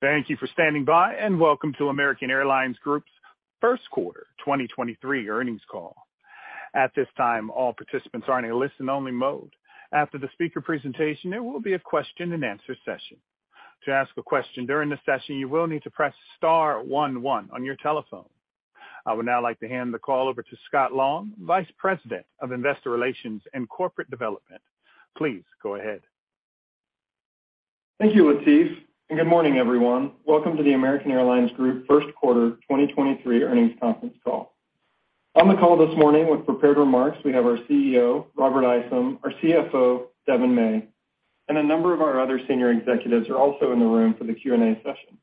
Thank you for standing by and welcome to American Airlines Group's first quarter 2023 earnings call. At this time, all participants are in a listen only mode. After the speaker presentation, there will be a question and answer session. To ask a question during the session, you will need to press star 11 on your telephone. I would now like to hand the call over to Scott Long, Vice President of Investor Relations and Corporate Development. Please go ahead. Thank you, Atif, and good morning, everyone. Welcome to the American Airlines Group First Quarter 2023 earnings conference call. On the call this morning with prepared remarks, we have our CEO, Robert Isom, our CFO, Devon May, and a number of our other senior executives ar e also in the room for the Q&A session.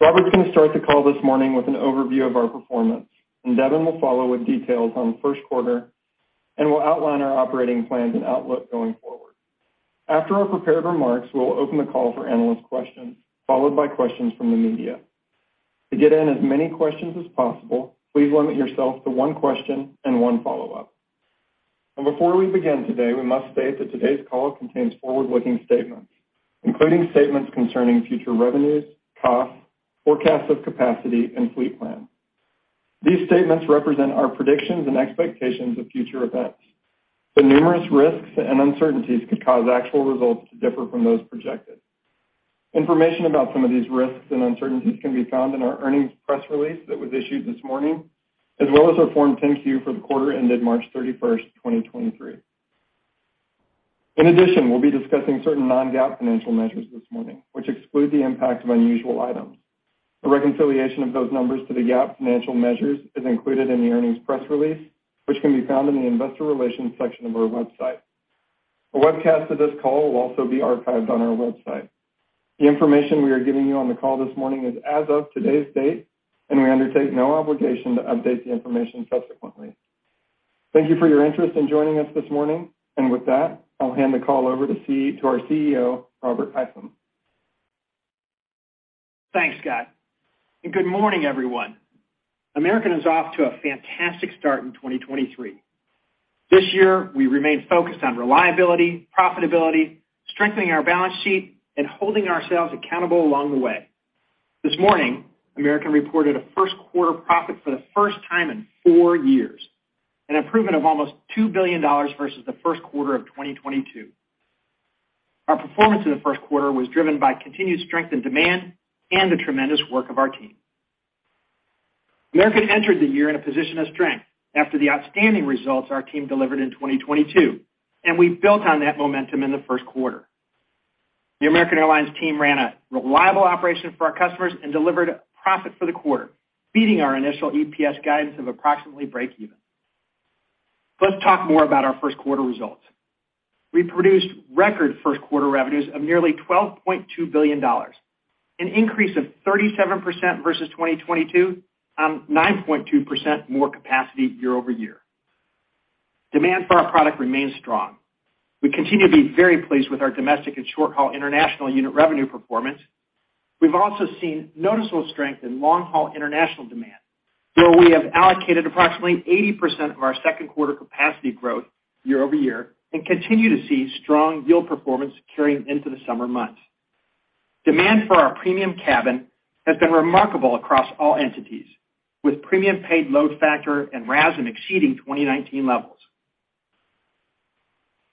Robert's gonna start the call this morning with an overview of our performance, and Devon will follow with details on the first quarter and will outline our operating plans and outlook going forward. After our prepared remarks, we'll open the call for analyst questions, followed by questions from the media. To get in as many questions as possible, please limit yourself to one question and one follow-up. Before we begin today, we must state that today's call contains forward-looking statements, including statements concerning future revenues, costs, forecasts of capacity, and fleet plans. These statements represent our predictions and expectations of future events, but numerous risks and uncertainties could cause actual results to differ from those projected. Information about some of these risks and uncertainties can be found in our earnings press release that was issued this morning, as well as our Form 10-Q for the quarter ended March 31st, 2023. In addition, we'll be discussing certain non-GAAP financial measures this morning, which exclude the impact of unusual items. A reconciliation of those numbers to the GAAP financial measures is included in the earnings press release, which can be found in the investor relations section of our website. A webcast of this call will also be archived on our website. The information we are giving you on the call this morning is as of today's date, and we undertake no obligation to update the information subsequently. Thank you for your interest in joining us this morning. With that, I'll hand the call over to our CEO, Robert Isom. Thanks, Scott. Good morning, everyone. American is off to a fantastic start in 2023. This year, we remain focused on reliability, profitability, strengthening our balance sheet, and holding ourselves accountable along the way. This morning, American reported a first quarter profit for the first time in four years, an improvement of almost $2 billion versus the first quarter of 2022. Our performance in the first quarter was driven by continued strength and demand and the tremendous work of our team. American entered the year in a position of strength after the outstanding results our team delivered in 2022, and we built on that momentum in the first quarter. The American Airlines team ran a reliable operation for our customers and delivered profit for the quarter, beating our initial EPS guidance of approximately breakeven. Let's talk more about our first quarter results. We produced record first quarter revenues of nearly $12.2 billion, an increase of 37% versus 2022 on 9.2% more capacity year-over-year. Demand for our product remains strong. We continue to be very pleased with our domestic and short-haul international unit revenue performance. We've also seen noticeable strength in long-haul international demand, where we have allocated approximately 80% of our second quarter capacity growth year-over-year and continue to see strong yield performance carrying into the summer months. Demand for our premium cabin has been remarkable across all entities, with premium paid load factor and RASM exceeding 2019 levels.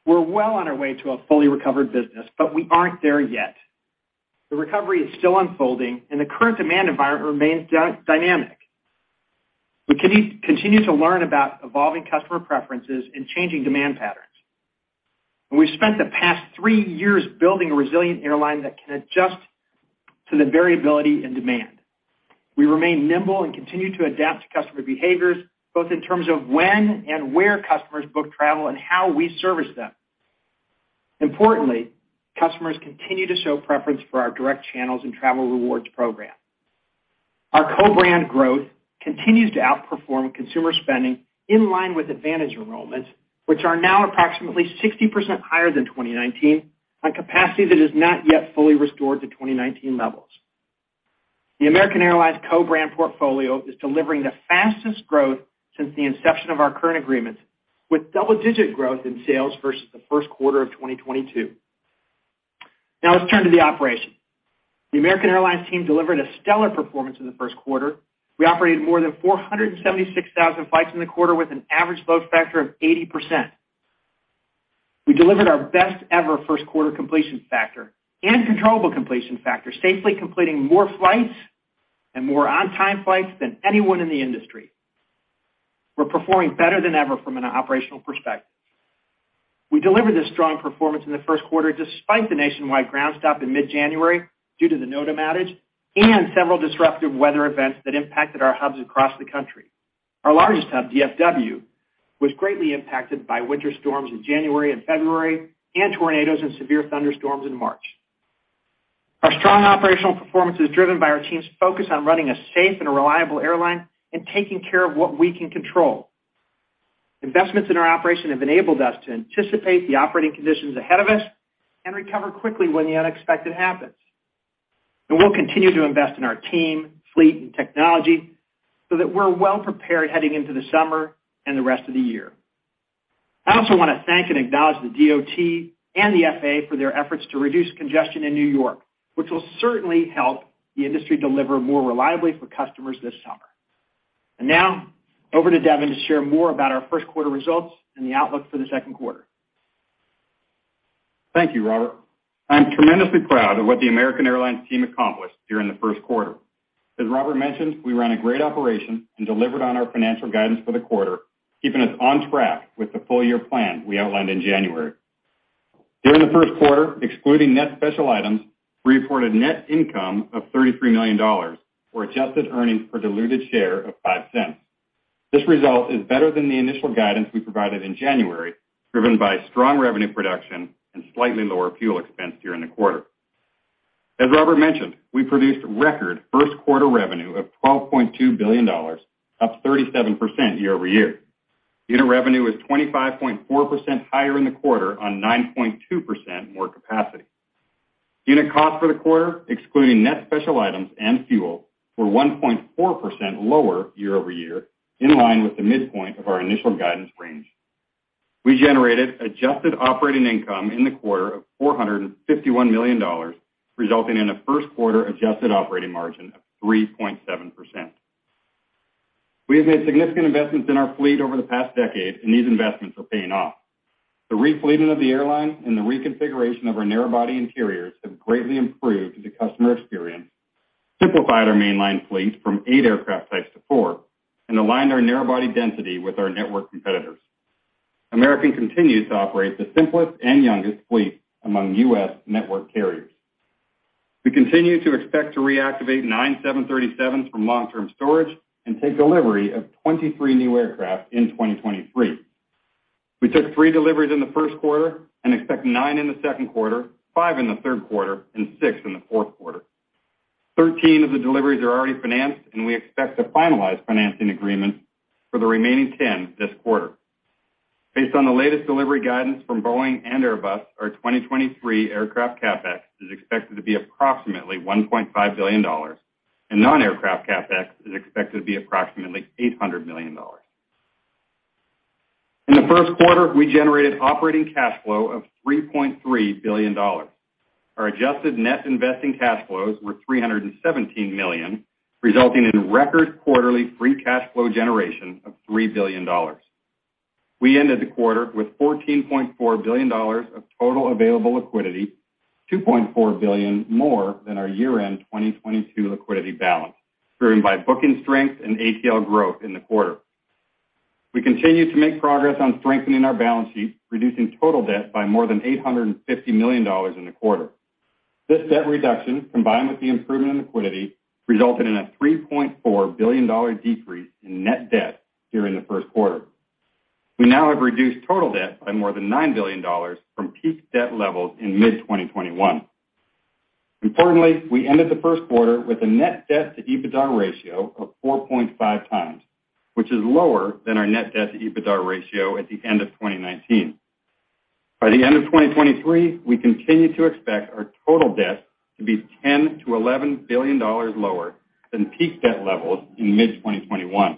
We're well on our way to a fully recovered business, but we aren't there yet. The recovery is still unfolding and the current demand environment remains dynamic. We continue to learn about evolving customer preferences and changing demand patterns. We've spent the past three years building a resilient airline that can adjust to the variability in demand. We remain nimble and continue to adapt to customer behaviors, both in terms of when and where customers book travel and how we service them. Importantly, customers continue to show preference for our direct channels and travel rewards program. Our co-brand growth continues to outperform consumer spending in line with AAdvantage enrollments, which are now approximately 60% higher than 2019 on capacity that is not yet fully restored to 2019 levels. The American Airlines co-brand portfolio is delivering the fastest growth since the inception of our current agreements, with double-digit growth in sales versus the first quarter of 2022. Let's turn to the operation. The American Airlines team delivered a stellar performance in the first quarter. We operated more than 476,000 flights in the quarter with an average load factor of 80%. We delivered our best ever first quarter completion factor and controllable completion factor, safely completing more flights and more on-time flights than anyone in the industry. We're performing better than ever from an operational perspective. We delivered a strong performance in the first quarter despite the nationwide ground stop in mid-January due to the NOTAM outage and several disruptive weather events that impacted our hubs across the country. Our largest hub, DFW, was greatly impacted by winter storms in January and February and tornadoes and severe thunderstorms in March. Our strong operational performance is driven by our team's focus on running a safe and reliable airline and taking care of what we can control. Investments in our operation have enabled us to anticipate the operating conditions ahead of us and recover quickly when the unexpected happens. We'll continue to invest in our team, fleet, and technology so that we're well prepared heading into the summer and the rest of the year. I also wanna thank and acknowledge the DOT and the FAA for their efforts to reduce congestion in New York, which will certainly help the industry deliver more reliably for customers this summer. Now over to Devon to share more about our first quarter results and the outlook for the second quarter. Thank you, Robert. I'm tremendously proud of what the American Airlines team accomplished during the first quarter. As Robert mentioned, we ran a great operation and delivered on our financial guidance for the quarter, keeping us on track with the full-year plan we outlined in January. During the first quarter, excluding net special items, we reported net income of $33 million or adjusted earnings per diluted share of $0.05. This result is better than the initial guidance we provided in January, driven by strong revenue production and slightly lower fuel expense during the quarter. As Robert mentioned, we produced record first quarter revenue of $12.2 billion, up 37% year-over-year. Unit revenue was 25.4% higher in the quarter on 9.2% more capacity. Unit cost for the quarter, excluding net special items and fuel, were 1.4% lower year-over-year, in line with the midpoint of our initial guidance range. We generated adjusted operating income in the quarter of $451 million, resulting in a first quarter adjusted operating margin of 3.7%. We have made significant investments in our fleet over the past decade. These investments are paying off. The repleting of the airline and the reconfiguration of our narrow body interiors have greatly improved the customer experience, simplified our mainline fleet from eight aircraft types to four, and aligned our narrow body density with our network competitors. American continues to operate the simplest and youngest fleet among U.S. network carriers. We continue to expect to reactivate 9 737s from long-term storage and take delivery of 23 new aircraft in 2023. We took three deliveries in the first quarter and expect nine in the second quarter, five in the third quarter, and six in the fourth quarter. 13 of the deliveries are already financed, and we expect to finalize financing agreements for the remaining 10 this quarter. Based on the latest delivery guidance from Boeing and Airbus, our 2023 aircraft CapEx is expected to be approximately $1.5 billion, and non-aircraft CapEx is expected to be approximately $800 million. In the first quarter, we generated operating cash flow of $3.3 billion. Our adjusted net investing cash flows were $317 million, resulting in record quarterly free cash flow generation of $3 billion. We ended the quarter with $14.4 billion of total available liquidity, $2.4 billion more than our year-end 2022 liquidity balance, driven by booking strength and ATL growth in the quarter. We continue to make progress on strengthening our balance sheet, reducing total debt by more than $850 million in the quarter. This debt reduction, combined with the improvement in liquidity, resulted in a $3.4 billion decrease in net debt during the first quarter. We now have reduced total debt by more than $9 billion from peak debt levels in mid-2021. Importantly, we ended the first quarter with a net debt to EBITDA ratio of 4.5 times, which is lower than our net debt to EBITDA ratio at the end of 2019. By the end of 2023, we continue to expect our total debt to be $10 billion-$11 billion lower than peak debt levels in mid-2021,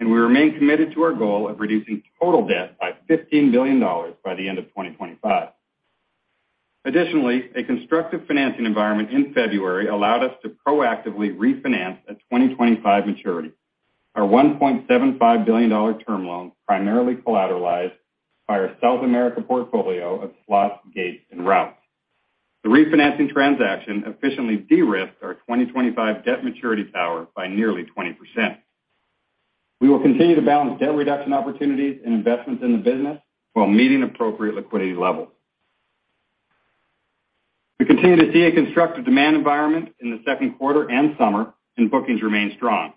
and we remain committed to our goal of reducing total debt by $15 billion by the end of 2025. Additionally, a constructive financing environment in February allowed us to proactively refinance a 2025 maturity. Our $1.75 billion term loan primarily collateralized by our South America portfolio of slots, gates, and routes. The refinancing transaction efficiently de-risked our 2025 debt maturity tower by nearly 20%. We will continue to balance debt reduction opportunities and investments in the business while meeting appropriate liquidity levels. We continue to see a constructive demand environment in the second quarter and summer, and bookings remain strong.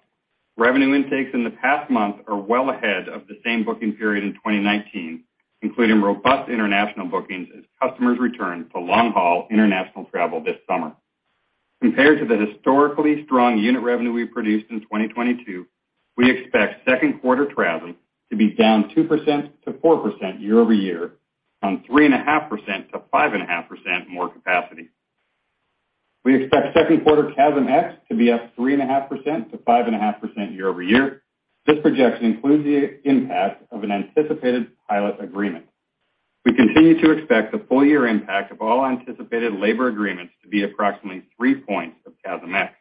Revenue intakes in the past month are well ahead of the same booking period in 2019, including robust international bookings as customers return to long-haul international travel this summer. Compared to the historically strong unit revenue we produced in 2022, we expect second quarter travel to be down 2%-4% year-over-year on 3.5%-5.5% more capacity. We expect second quarter CASM-ex to be up 3.5%-5.5% year-over-year. This projection includes the impact of an anticipated pilot agreement. We continue to expect the full-year impact of all anticipated labor agreements to be approximately three points of CASM-ex.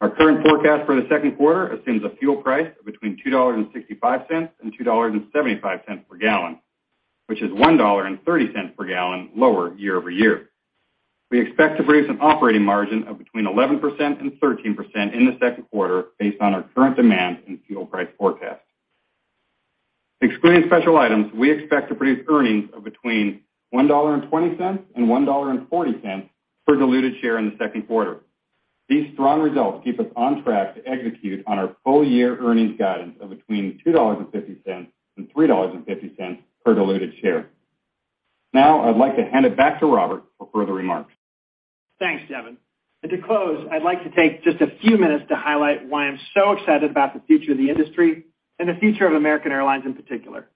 Our current forecast for the second quarter assumes a fuel price of between $2.65 and $2.75 per gallon, which is $1.30 per gallon lower year-over-year. We expect to produce an operating margin of between 11% and 13% in the second quarter based on our current demand and fuel price forecast. Excluding special items, we expect to produce earnings of between $1.20 and $1.40 per diluted share in the second quarter. These strong results keep us on track to execute on our full-year earnings guidance of between $2.50 and $3.50 per diluted share. Now I'd like to hand it back to Robert for further remarks. Thanks, Devon. To close, I'd like to take just a few minutes to highlight why I'm so excited about the future of the industry and the future of American Airlines in particular.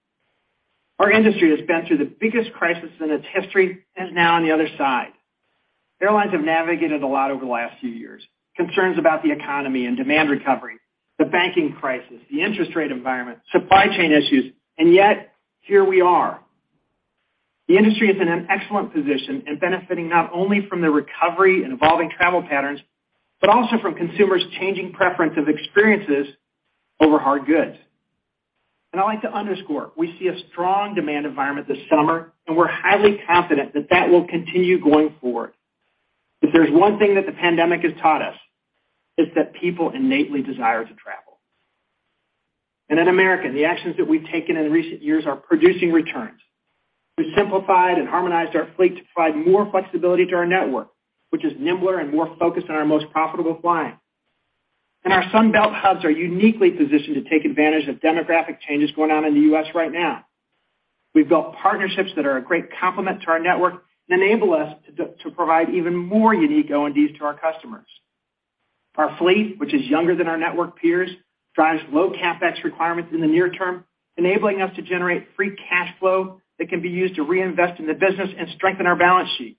Our industry has been through the biggest crisis in its history and is now on the other side. Airlines have navigated a lot over the last few years, concerns about the economy and demand recovery, the banking crisis, the interest rate environment, supply chain issues, and yet here we are. The industry is in an excellent position and benefiting not only from the recovery and evolving travel patterns, but also from consumers changing preference of experiences over hard goods. I like to underscore, we see a strong demand environment this summer, and we're highly confident that that will continue going forward. If there's one thing that the pandemic has taught us, is that people innately desire to travel. At American, the actions that we've taken in recent years are producing returns. We simplified and harmonized our fleet to provide more flexibility to our network, which is nimbler and more focused on our most profitable flying. Our Sun Belt hubs are uniquely positioned to take advantage of demographic changes going on in the U.S. right now. We've built partnerships that are a great complement to our network and enable us to provide even more unique O&Ds to our customers. Our fleet, which is younger than our network peers, drives low CapEx requirements in the near term, enabling us to generate free cash flow that can be used to reinvest in the business and strengthen our balance sheet.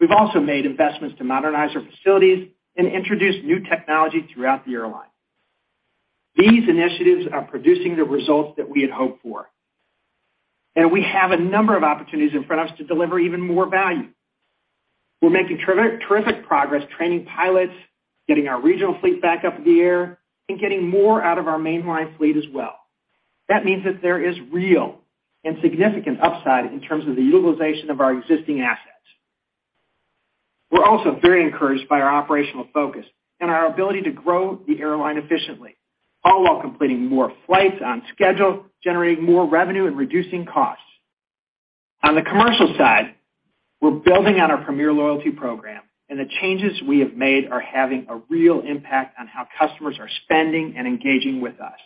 We've also made investments to modernize our facilities and introduce new technology throughout the airline. These initiatives are producing the results that we had hoped for. We have a number of opportunities in front of us to deliver even more value. We're making terrific progress training pilots, getting our regional fleet back up in the air and getting more out of our mainline fleet as well. That means that there is real and significant upside in terms of the utilization of our existing assets. We're also very encouraged by our operational focus and our ability to grow the airline efficiently, all while completing more flights on schedule, generating more revenue and reducing costs. On the commercial side, we're building on our premier loyalty program, and the changes we have made are having a real impact on how customers are spending and engaging with us.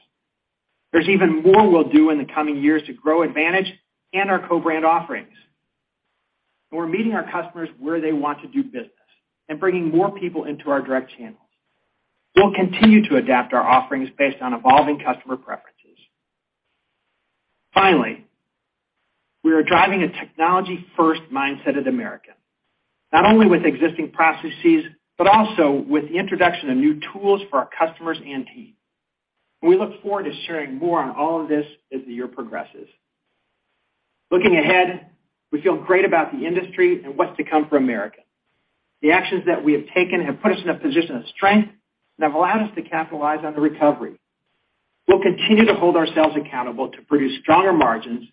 There's even more we'll do in the coming years to grow AAdvantage and our co-brand offerings. We're meeting our customers where they want to do business and bringing more people into our direct channels. We'll continue to adapt our offerings based on evolving customer preferences. Finally, we are driving a technology-first mindset at American Airlines, not only with existing processes, but also with the introduction of new tools for our customers and team. We look forward to sharing more on all of this as the year progresses. Looking ahead, we feel great about the industry and what's to come for American Airlines. The actions that we have taken have put us in a position of strength that have allowed us to capitalize on the recovery. We'll continue to hold ourselves accountable to produce stronger margins,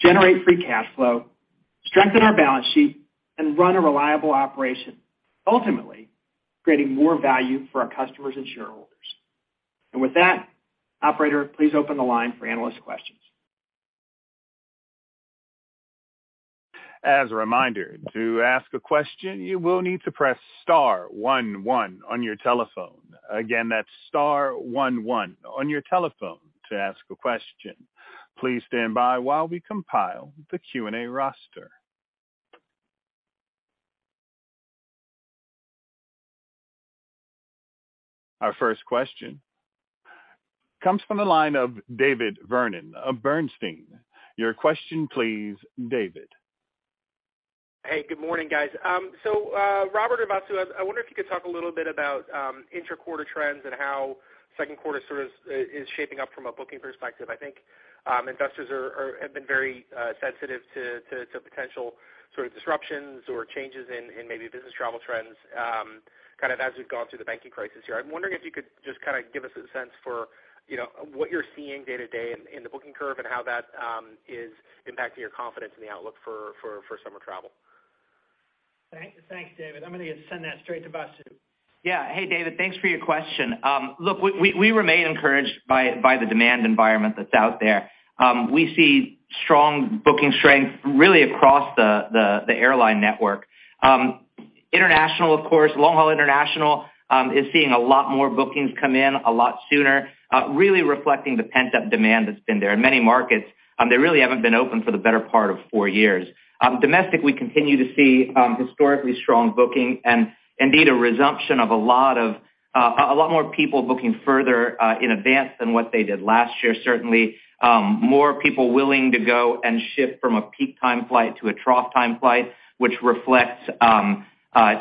generate free cash flow, strengthen our balance sheet, and run a reliable operation, ultimately creating more value for our customers and shareholders. With that, operator, please open the line for analyst questions. As a reminder, to ask a question, you will need to press star one one on your telephone. Again, that's star one one on your telephone to ask a question. Please stand by while we compile the Q&A roster. Our first question comes from the line of David Vernon of Bernstein. Your question, please, David. Hey, good morning, guys. Robert or Vasu, I wonder if you could talk a little bit about inter-quarter trends and how second quarter sort of is shaping up from a booking perspective. I think investors have been very sensitive to potential sort of disruptions or changes in maybe business travel trends, kind of as we've gone through the banking crisis here. I'm wondering if you could just kinda give us a sense for, you know, what you're seeing day-to-day in the booking curve and how that is impacting your confidence in the outlook for summer travel. Thanks, David. I'm gonna send that straight to Vasu. Yeah. Hey, David, thanks for your question. Look, we remain encouraged by the demand environment that's out there. We see strong booking strength really across the airline network. International, of course, long-haul international, is seeing a lot more bookings come in a lot sooner, really reflecting the pent-up demand that's been there. In many markets, they really haven't been open for the better part of four years. Domestic, we continue to see historically strong booking and indeed a resumption of a lot more people booking further in advance than what they did last year. Certainly, more people willing to go and shift from a peak time flight to a trough time flight, which reflects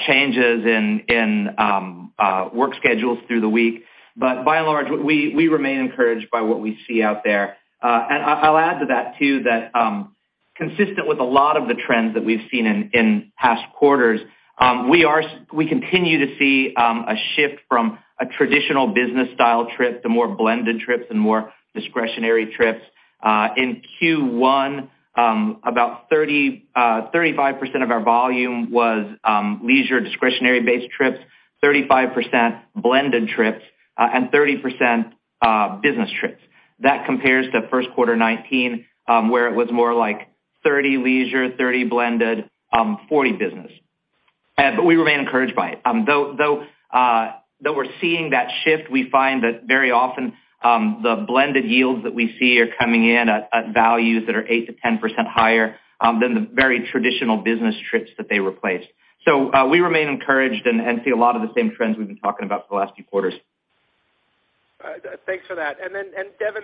changes in work schedules through the week. By and large, we remain encouraged by what we see out there. And I'll add to that too, that consistent with a lot of the trends that we've seen in past quarters, we continue to see a shift from a traditional business-style trip to more blended trips and more discretionary trips. In Q1, about 35% of our volume was leisure discretionary-based trips, 35% blended trips, and 30% business trips. That compares to first quarter 2019, where it was more like 30 leisure, 30 blended, 40 business. But we remain encouraged by it. Though we're seeing that shift, we find that very often, the blended yields that we see are coming in at values that are 8%-10% higher than the very traditional business trips that they replaced. We remain encouraged and see a lot of the same trends we've been talking about for the last few quarters. Thanks for that. Devon,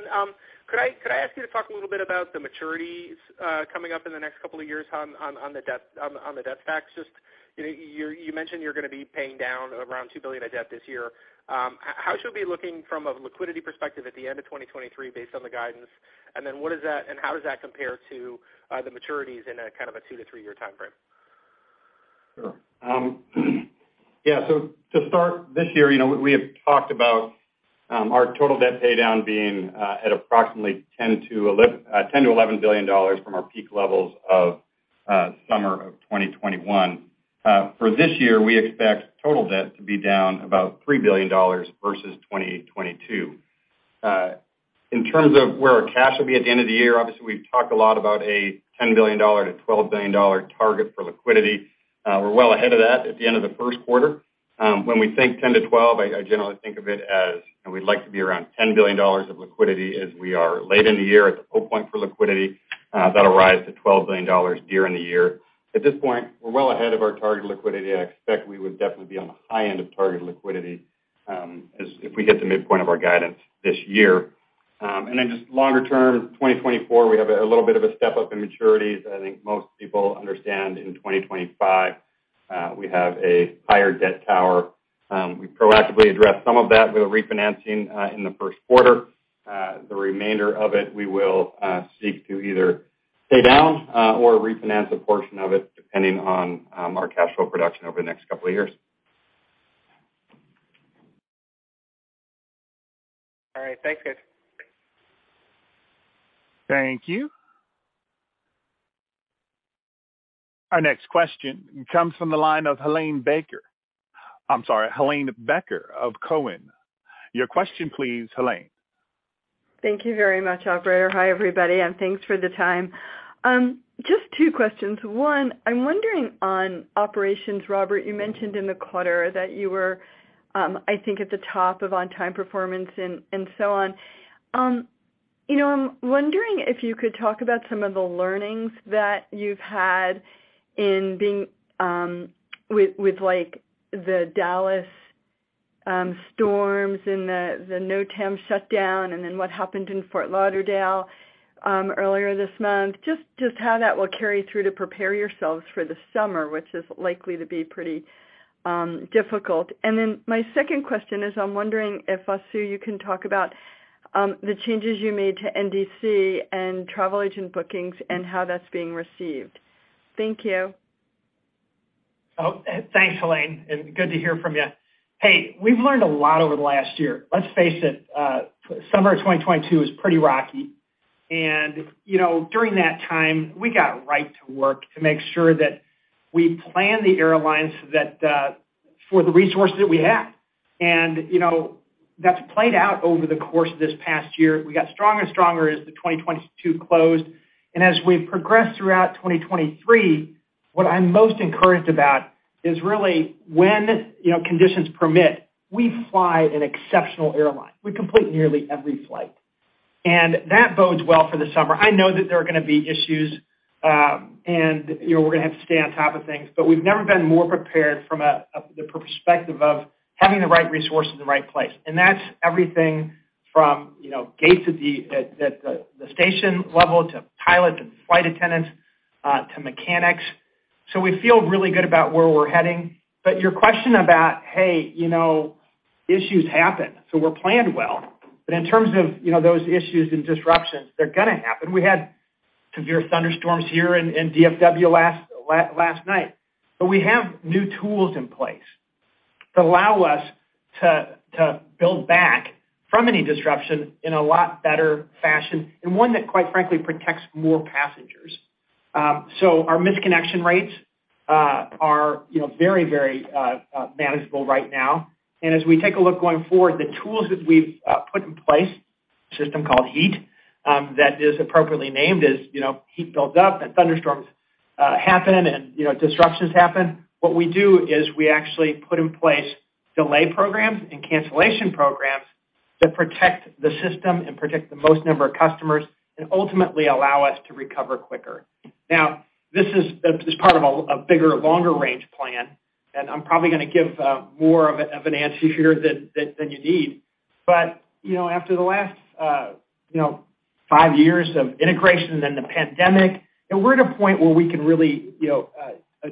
could I ask you to talk a little bit about the maturities, coming up in the next couple of years on the debt stacks? Just, you know, you mentioned you're gonna be paying down around $2 billion of debt this year. How should we be looking from a liquidity perspective at the end of 2023 based on the guidance? How does that compare to the maturities in a kind of a two to three year time frame? Sure. To start this year, you know, we have talked about our total debt pay down being at approximately $10 billion-$11 billion from our peak levels of summer of 2021. For this year, we expect total debt to be down about $3 billion versus 2022. In terms of where our cash will be at the end of the year, obviously, we've talked a lot about a $10 billion-$12 billion target for liquidity. We're well ahead of that at the end of the first quarter. When we think $10 billion-$12 billion, I generally think of it as, and we'd like to be around $10 billion of liquidity as we are late in the year at the whole point for liquidity. That'll rise to $12 billion during the year. At this point, we're well ahead of our target liquidity. I expect we would definitely be on the high end of target liquidity as if we hit the midpoint of our guidance this year. Just longer term, 2024, we have a little bit of a step up in maturities. I think most people understand in 2025, we have a higher debt tower. We proactively addressed some of that with refinancing in the first quarter. The remainder of it, we will seek to either pay down or refinance a portion of it depending on our cash flow production over the next couple of years. All right. Thanks, guys. Thank you. Our next question comes from the line of Helane Becker. I'm sorry, Helane Becker of Cowen. Your question please, Helane. Thank you very much, operator. Hi, everybody, and thanks for the time. Just two questions. One, I'm wondering on operations, Robert, you mentioned in the quarter that you were, I think at the top of on time performance and so on. You know, I'm wondering if you could talk about some of the learnings that you've had in being like the Dallas storms and the NOTAM shutdown, and then what happened in Fort Lauderdale earlier this month. Just how that will carry through to prepare yourselves for the summer, which is likely to be pretty difficult. My second question is, I'm wondering if Vasu, you can talk about the changes you made to NDC and travel agent bookings and how that's being received. Thank you. Thanks, Helane, and good to hear from you. Hey, we've learned a lot over the last year. Let's face it, summer 2022 was pretty rocky. You know, during that time, we got right to work to make sure that we plan the airlines that for the resources that we have. You know, that's played out over the course of this past year. We got stronger and stronger as the 2022 closed. As we progress throughout 2023, what I'm most encouraged about is really when, you know, conditions permit, we fly an exceptional airline. We complete nearly every flight. That bodes well for the summer. I know that there are gonna be issues, and, you know, we're gonna have to stay on top of things, but we've never been more prepared from the perspective of having the right resource in the right place. That's everything from, you know, gates at the station level to pilots and flight attendants, to mechanics. We feel really good about where we're heading. Your question about, hey, you know, issues happen, so we're planned well. In terms of, you know, those issues and disruptions, they're gonna happen. We had severe thunderstorms here in DFW last night. We have new tools in place that allow us to build back from any disruption in a lot better fashion, and one that, quite frankly, protects more passengers. Our missed connection rates are, you know, very manageable right now. As we take a look going forward, the tools that we've put in place, a system called HEAT, that is appropriately named, as, you know, heat builds up and thunderstorms happen and, you know, disruptions happen. What we do is we actually put in place delay programs and cancellation programs that protect the system and protect the most number of customers and ultimately allow us to recover quicker. This is part of a bigger, longer-range plan, and I'm probably gonna give more of an answer here than you need. You know, after the last, you know, five years of integration and the pandemic, and we're at a point where we can really, you know,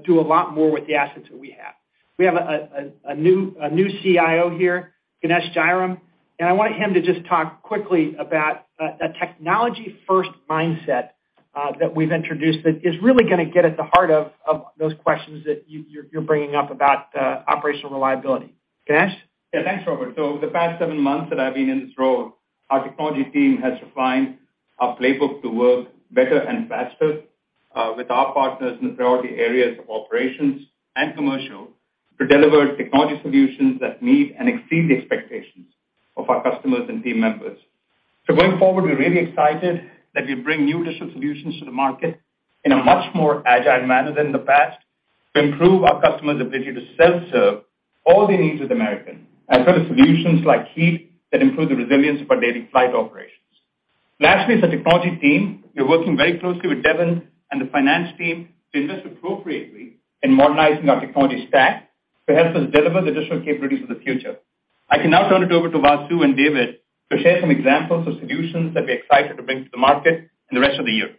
do a lot more with the assets that we have. We have a new CIO here, Ganesh Jayaram, and I want him to just talk quickly about a technology first mindset that we've introduced that is really gonna get at the heart of those questions that you're bringing up about operational reliability. Ganesh? Yeah. Thanks, Robert. The past seven months that I've been in this role, our technology team has refined our playbook to work better and faster with our partners in the priority areas of operations and commercial to deliver technology solutions that meet and exceed the expectations of our customers and team members. Going forward, we're really excited that we bring new digital solutions to the market in a much more agile manner than the past to improve our customers' ability to self-serve all the needs with American, and for the solutions like HEAT that improve the resilience of our daily flight operations. Lastly, is the technology team. We're working very closely with Devon and the finance team to invest appropriately in modernizing our technology stack to help us deliver the digital capabilities of the future. I can now turn it over to Vasu and David to share some examples of solutions that we're excited to bring to the market in the rest of the year.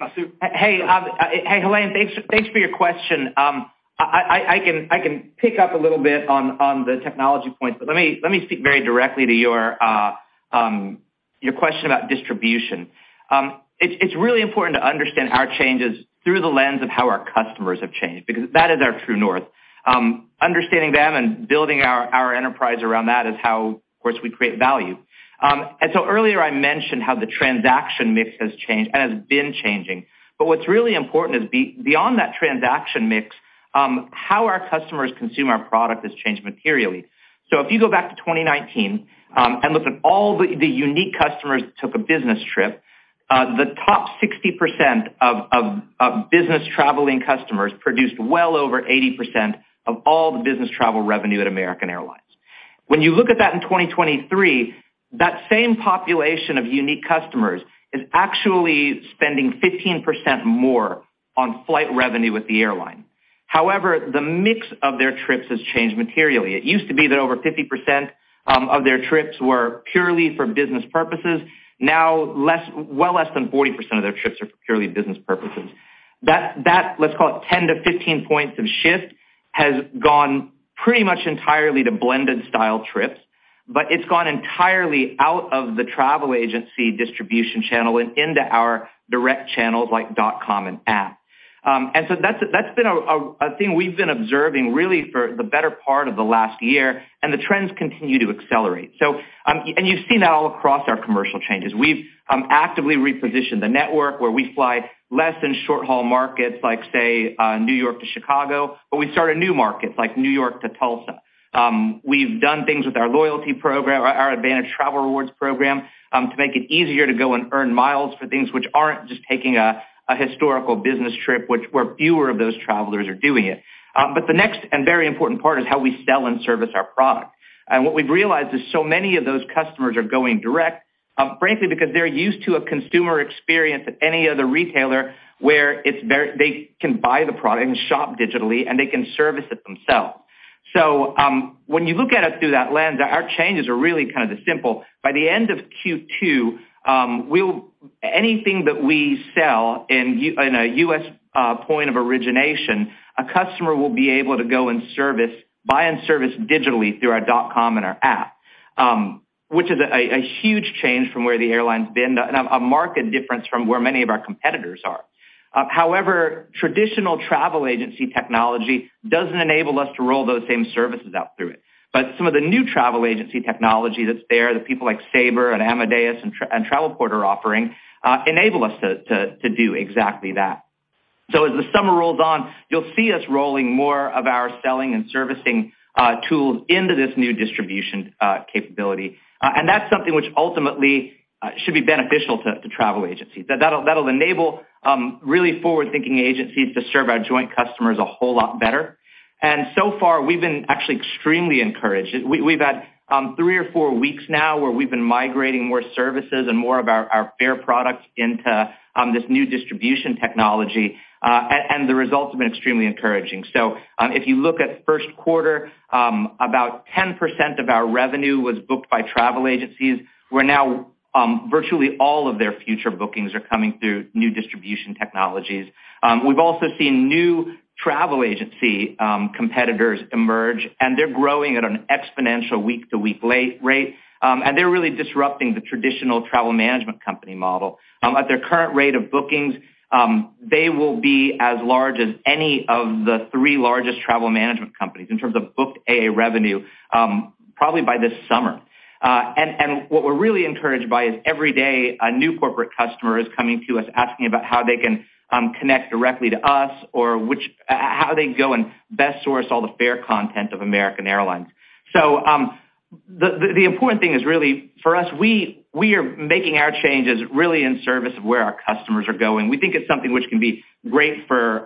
Vasu? Hey, hey, Helane, thanks for your question. I can pick up a little bit on the technology points, but let me speak very directly to your question about distribution. It's really important to understand our changes through the lens of how our customers have changed because that is our true north. Understanding them and building our enterprise around that is how, of course, we create value. Earlier I mentioned how the transaction mix has changed and has been changing. What's really important is beyond that transaction mix, how our customers consume our product has changed materially. If you go back to 2019, and look at all the unique customers who took a business trip, the top 60% of business traveling customers produced well over 80% of all the business travel revenue at American Airlines. When you look at that in 2023, that same population of unique customers is actually spending 15% more on flight revenue with the airline. The mix of their trips has changed materially. It used to be that over 50% of their trips were purely for business purposes. Well less than 40% of their trips are for purely business purposes. That, let's call it 10-15 points of shift, has gone pretty much entirely to blended style trips, but it's gone entirely out of the travel agency distribution channel and into our direct channels like dot com and app. That's been a thing we've been observing really for the better part of the last year, and the trends continue to accelerate. You've seen that all across our commercial changes. We've actively repositioned the network where we fly less than short-haul markets like, say, New York to Chicago, but we start a new market like New York to Tulsa. We've done things with our loyalty program, our AAdvantage travel rewards program, to make it easier to go and earn miles for things which aren't just taking a historical business trip, which where fewer of those travelers are doing it. The next and very important part is how we sell and service our product. What we've realized is so many of those customers are going direct, frankly, because they're used to a consumer experience at any other retailer where they can buy the product and shop digitally and they can service it themselves. When you look at it through that lens, our changes are really kind of simple. By the end of Q2, we'll, Anything that we sell in a U.S. point of origination, a customer will be able to go and service, buy and service digitally through our dot-com and our app, which is a huge change from where the airline's been and a market difference from where many of our competitors are. However, traditional travel agency technology doesn't enable us to roll those same services out through it. Some of the new travel agency technology that's there, the people like Sabre and Amadeus and Travelport are offering, enable us to do exactly that. As the summer rolls on, you'll see us rolling more of our selling and servicing tools into this new distribution capability. And that's something which ultimately should be beneficial to travel agencies. That'll enable really forward-thinking agencies to serve our joint customers a whole lot better. So far, we've been actually extremely encouraged. We've had three or four weeks now where we've been migrating more services and more of our fare products into this new distribution technology, and the results have been extremely encouraging. If you look at first quarter, about 10% of our revenue was booked by travel agencies, where now, virtually all of their future bookings are coming through new distribution technologies. We've also seen new travel agency competitors emerge, and they're growing at an exponential week-to-week rate, and they're really disrupting the traditional travel management company model. At their current rate of bookings, they will be as large as any of the three largest travel management companies in terms of booked AA revenue, probably by this summer. What we're really encouraged by is every day a new corporate customer is coming to us asking about how they can connect directly to us or how they go and best source all the fare content of American Airlines. The important thing is really for us, we are making our changes really in service of where our customers are going. We think it's something which can be great for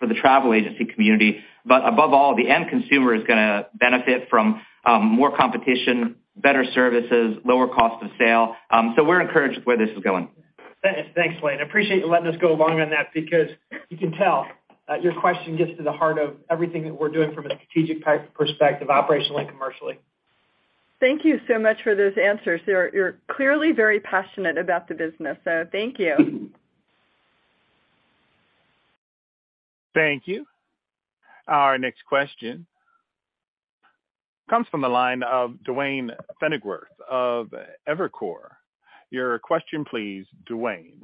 the travel agency community, but above all, the end consumer is gonna benefit from more competition, better services, lower cost of sale. We're encouraged where this is going. Thanks, Helane. Appreciate you letting us go long on that because you can tell that your question gets to the heart of everything that we're doing from a strategic perspective, operationally, commercially. Thank you so much for those answers. You're clearly very passionate about the business. Thank you. Thank you. Our next question comes from the line of Duane Pfennigwerth of Evercore. Your question, please, Duane.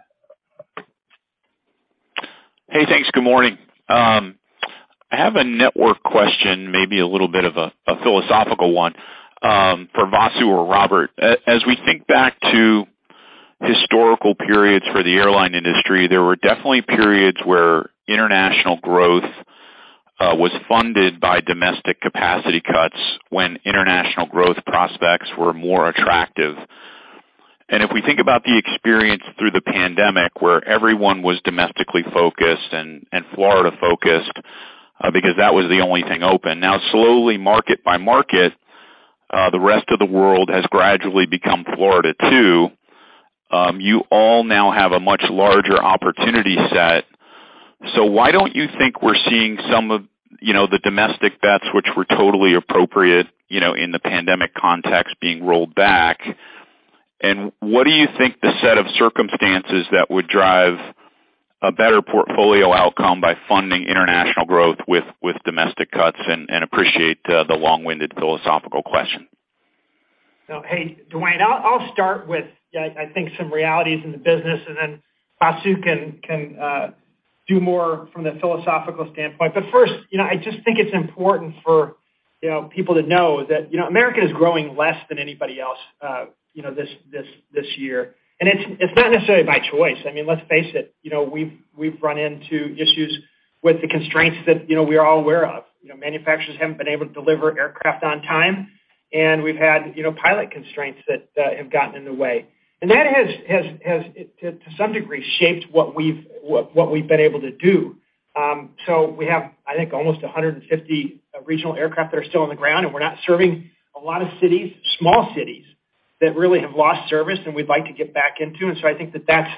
Hey, thanks. Good morning. I have a network question, maybe a philosophical one, for Vasu or Robert. As we think back to historical periods for the airline industry, there were definitely periods where international growth was funded by domestic capacity cuts when international growth prospects were more attractive. If we think about the experience through the pandemic, where everyone was domestically focused and Florida-focused. Because that was the only thing open. Now, slowly, market by market, the rest of the world has gradually become Florida too. You all now have a much larger opportunity set. Why don't you think we're seeing some of, you know, the domestic bets which were totally appropriate, you know, in the pandemic context being rolled back? What do you think the set of circumstances that would drive a better portfolio outcome by funding international growth with domestic cuts, and appreciate the long-winded philosophical question. No. Hey, Duane, I'll start with, I think some realities in the business, then Vasu can do more from the philosophical standpoint. First, you know, I just think it's important for, you know, people to know that, you know, America is growing less than anybody else, this year. It's not necessarily by choice. I mean, let's face it, you know, we've run into issues with the constraints that, you know, we are all aware of. You know, manufacturers haven't been able to deliver aircraft on time, and we've had, you know, pilot constraints that have gotten in the way. That has to some degree shaped what we've been able to do. We have, I think, almost 150 regional aircraft that are still on the ground, and we're not serving a lot of cities, small cities that really have lost service, and we'd like to get back into. I think that that's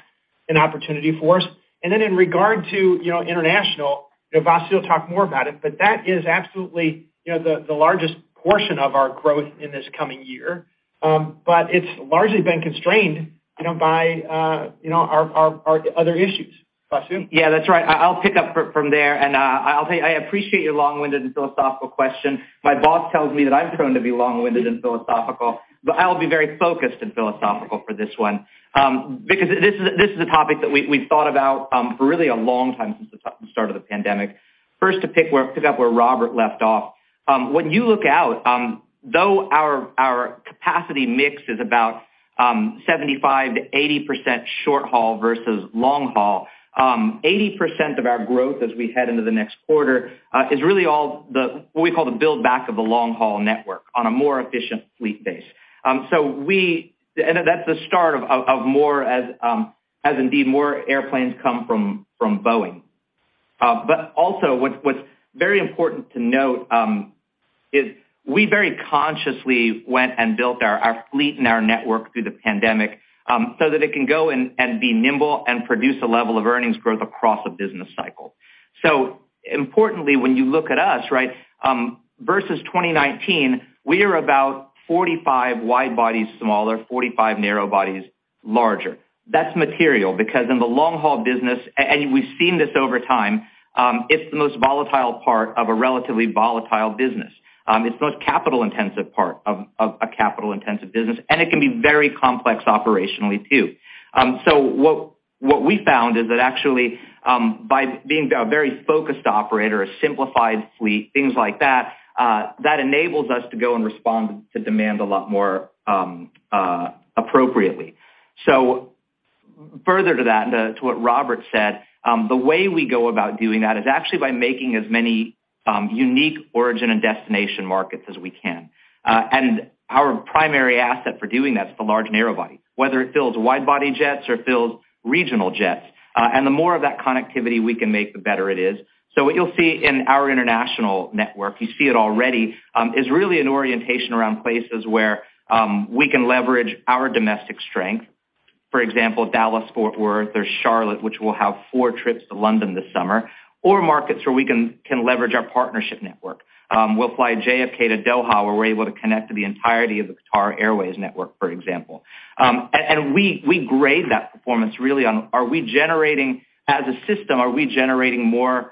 an opportunity for us. Then in regard to, you know, international, you know, Vasu will talk more about it, but that is absolutely, you know, the largest portion of our growth in this coming year. It's largely been constrained, you know, by, you know, our other issues. Vasu? Yeah, that's right. I'll pick up from there, and I'll tell you, I appreciate your long-winded and philosophical question. My boss tells me that I'm prone to be long-winded and philosophical, but I'll be very focused and philosophical for this one. Because this is a topic that we've thought about for really a long time, since the start of the pandemic. First, to pick up where Robert left off, when you look out, though our capacity mix is about 75%-80% short haul versus long haul, 80% of our growth as we head into the next quarter, is really all the, what we call the build back of the long-haul network on a more efficient fleet base. That's the start of more as indeed more airplanes come from Boeing. Also what's very important to note is we very consciously went and built our fleet and our network through the pandemic so that it can go and be nimble and produce a level of earnings growth across a business cycle. Importantly, when you look at us, right, versus 2019, we are about 45 wide bodies smaller, 45 narrow bodies larger. That's material because in the long-haul business, and we've seen this over time, it's the most volatile part of a relatively volatile business. It's the most capital-intensive part of a capital-intensive business, and it can be very complex operationally too. What we found is that actually, by being a very focused operator, a simplified fleet, things like that enables us to go and respond to demand a lot more appropriately. Further to that and to what Robert said, the way we go about doing that is actually by making as many unique origin and destination markets as we can. Our primary asset for doing that is the large narrow body, whether it fills wide body jets or fills regional jets. The more of that connectivity we can make, the better it is. What you'll see in our international network, you see it already, is really an orientation around places where we can leverage our domestic strength. For example, Dallas, Fort Worth, or Charlotte, which will have four trips to London this summer, or markets where we can leverage our partnership network. We'll fly JFK to Doha, where we're able to connect to the entirety of the Qatar Airways network, for example. And we grade that performance really on are we generating, as a system, are we generating more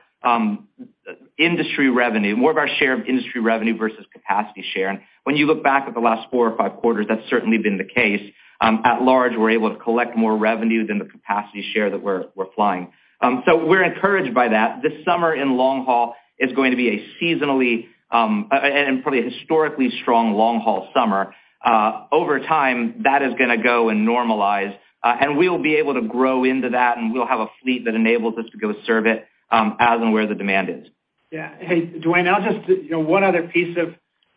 industry revenue, more of our share of industry revenue versus capacity share? When you look back at the last four or five quarters, that's certainly been the case. At large, we're able to collect more revenue than the capacity share that we're flying. We're encouraged by that. This summer in long haul is going to be a seasonally and probably a historically strong long-haul summer. Over time, that is gonna go and normalize, and we'll be able to grow into that, and we'll have a fleet that enables us to go serve it, as and where the demand is. Yeah. Hey, Duane, I'll just, you know, one other piece of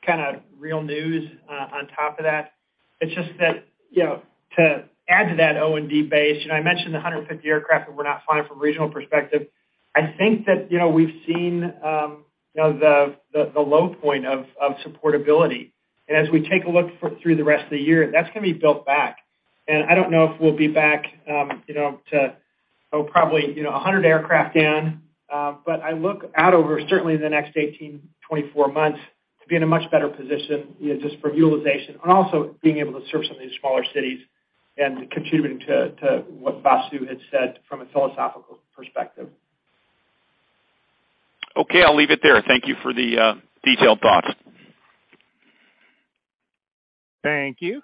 kind of real news on top of that. It's just that, you know, to add to that O&D base, you know, I mentioned the 150 aircraft that we're not flying from a regional perspective. I think that, you know, we've seen, you know, the, the low point of supportability. As we take a look for through the rest of the year, that's gonna be built back. I don't know if we'll be back, you know, to, probably, you know, 100 aircraft in. I look out over certainly in the next 18, 24 months to be in a much better position, you know, just for utilization and also being able to serve some of these smaller cities and contributing to what Vasu had said from a philosophical perspective. Okay. I'll leave it there. Thank you for the detailed thoughts. Thank you.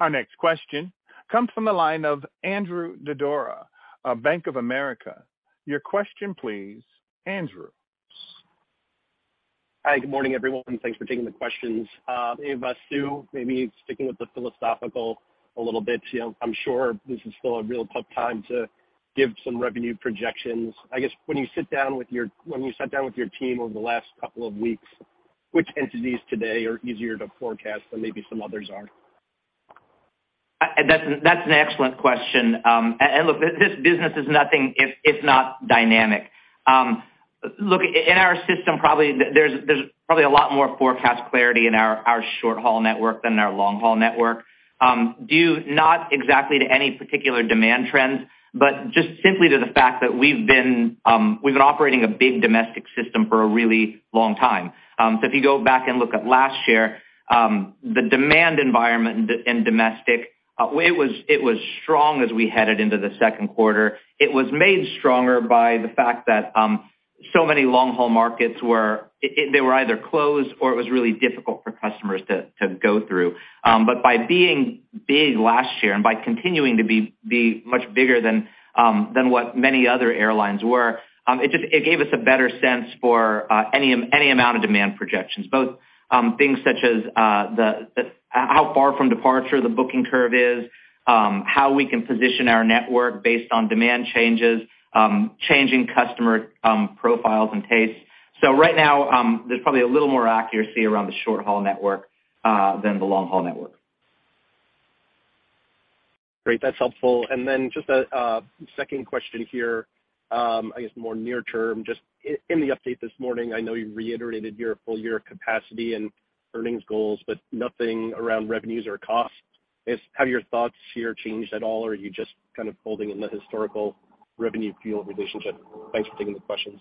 Our next question comes from the line of Andrew Didora of Bank of America. Your question, please, Andrew. Hi. Good morning, everyone. Thanks for taking the questions. Vasu, maybe sticking with the philosophical a little bit. You know, I'm sure this is still a real tough time to give some revenue projections. I guess when you sat down with your team over the last couple of weeks, which entities today are easier to forecast than maybe some others are? That's an excellent question. Look, this business is nothing if not dynamic. Look, in our system, probably there's probably a lot more forecast clarity in our short-haul network than in our long-haul network, due not exactly to any particular demand trends, but just simply to the fact that we've been operating a big domestic system for a really long time. If you go back and look at last year, the demand environment in domestic, it was strong as we headed into the second quarter. It was made stronger by the fact that so many long-haul markets were... They were either closed or it was really difficult for customers to go through. By being big last year and by continuing to be much bigger than what many other airlines were, it gave us a better sense for any amount of demand projections, both things such as the how far from departure the booking curve is, how we can position our network based on demand changes, changing customer profiles and tastes. Right now, there's probably a little more accuracy around the short-haul network than the long-haul network. Great. That's helpful. Then just a second question here, I guess more near term. Just in the update this morning, I know you reiterated your full-year capacity and earnings goals, but nothing around revenues or costs. Have your thoughts here changed at all or are you just kind of holding in the historical revenue field relationship? Thanks for taking the questions.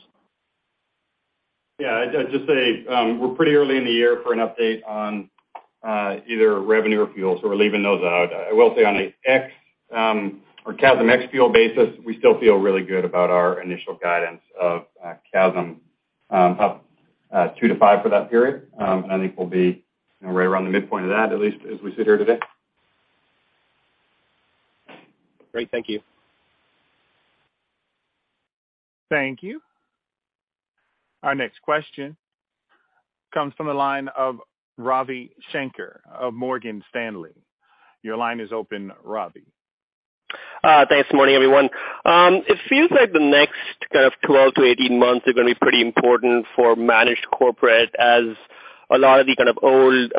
Yeah. I'd just say, we're pretty early in the year for an update on either revenue or fuel, so we're leaving those out. I will say on a CASM ex fuel basis, we still feel really good about our initial guidance of CASM up 2%-5% for that period. I think we'll be, you know, right around the midpoint of that, at least as we sit here today. Great. Thank you. Thank you. Our next question comes from the line of Ravi Shanker of Morgan Stanley. Your line is open, Ravi. Thanks, morning, everyone. It feels like the next kind of 12-18 months are gonna be pretty important for managed corporate as a lot of the kind of old,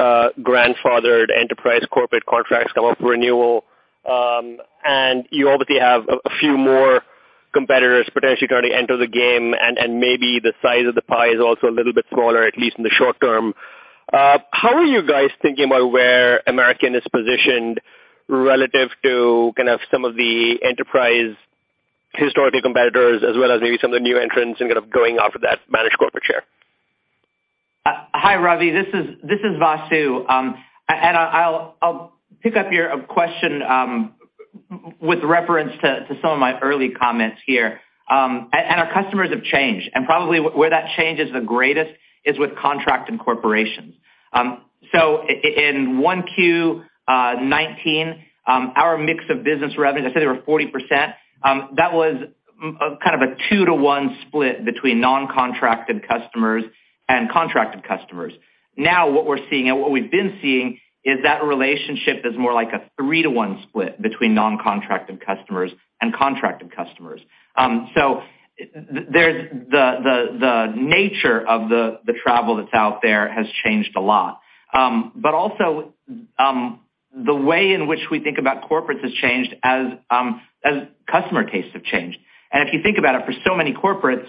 grandfathered enterprise corporate contracts come up for renewal, you obviously have a few more competitors potentially trying to enter the game, maybe the size of the pie is also a little bit smaller, at least in the short term. How are you guys thinking about where American Airlines is positioned relative to kind of some of the enterprise historical competitors as well as maybe some of the new entrants and kind of going after that managed corporate share? Hi, Ravi. This is Vasu. I'll pick up your question with reference to some of my early comments here. Our customers have changed, and probably where that change is the greatest is with contract and corporations. In 1Q 19, our mix of business revenues, I said they were 40%, that was kind of a 2-to-1 split between non-contracted customers and contracted customers. Now what we're seeing and what we've been seeing is that relationship is more like a 3-to-1 split between non-contracted customers and contracted customers. There's the nature of the travel that's out there has changed a lot. Also, the way in which we think about corporates has changed as customer tastes have changed. If you think about it, for so many corporates,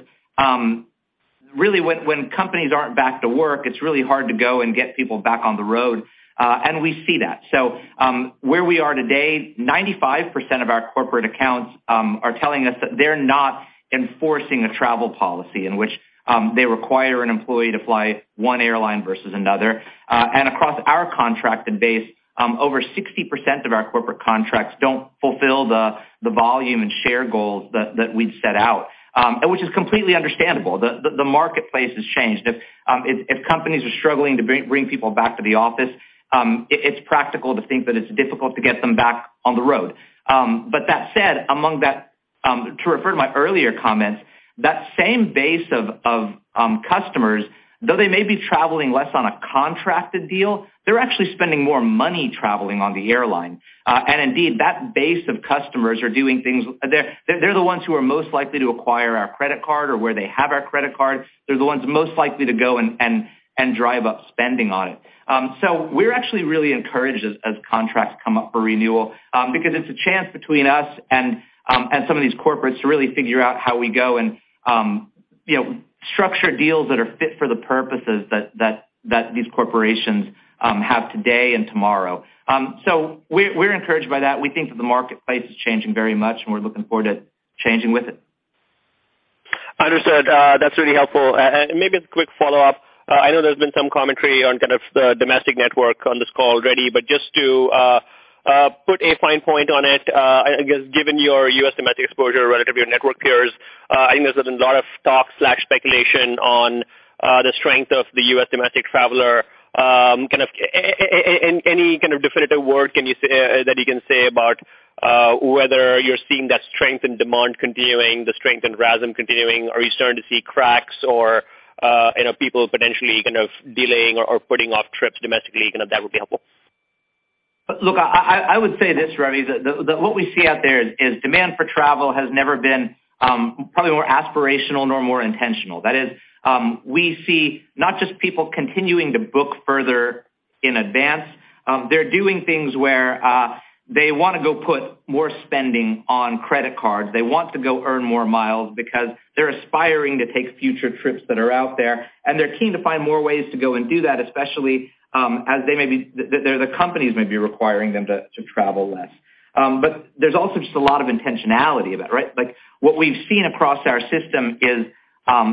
really when companies aren't back to work, it's really hard to go and get people back on the road, and we see that. Where we are today, 95% of our corporate accounts are telling us that they're not enforcing a travel policy in which they require an employee to fly one airline versus another. Across our contracted base, over 60% of our corporate contracts don't fulfill the volume and share goals that we'd set out, which is completely understandable. The marketplace has changed. If companies are struggling to bring people back to the office, it's practical to think that it's difficult to get them back on the road. That said, among that, to refer to my earlier comments, that same base of customers, though they may be traveling less on a contracted deal, they're actually spending more money traveling on the airline. Indeed, that base of customers are doing things. They're the ones who are most likely to acquire our credit card or where they have our credit card, they're the ones most likely to go and drive up spending on it. We're actually really encouraged as contracts come up for renewal, because it's a chance between us and some of these corporates to really figure out how we go and, you know, structure deals that are fit for the purposes that these corporations have today and tomorrow. We, we're encouraged by that. We think that the marketplace is changing very much, and we're looking forward to changing with it. Understood. That's really helpful. Maybe a quick follow-up. I know there's been some commentary on kind of the domestic network on this call already, but just to put a fine point on it, I guess given your U.S. domestic exposure relative to your network peers, I think there's been a lot of talk/speculation on the strength of the U.S. domestic traveler. Any kind of definitive word can you say that you can say about whether you're seeing that strength in demand continuing, the strength in RASM continuing? Are you starting to see cracks or, you know, people potentially kind of delaying or putting off trips domestically? You know, that would be helpful. Look, I would say this, Ravi, the what we see out there is demand for travel has never been probably more aspirational nor more intentional. That is, we see not just people continuing to book further in advance. They're doing things where they wanna go put more spending on credit cards. They want to go earn more miles because they're aspiring to take future trips that are out there, and they're keen to find more ways to go and do that, especially, as they may be the companies may be requiring them to travel less. There's also just a lot of intentionality about it, right. Like what we've seen across our system is,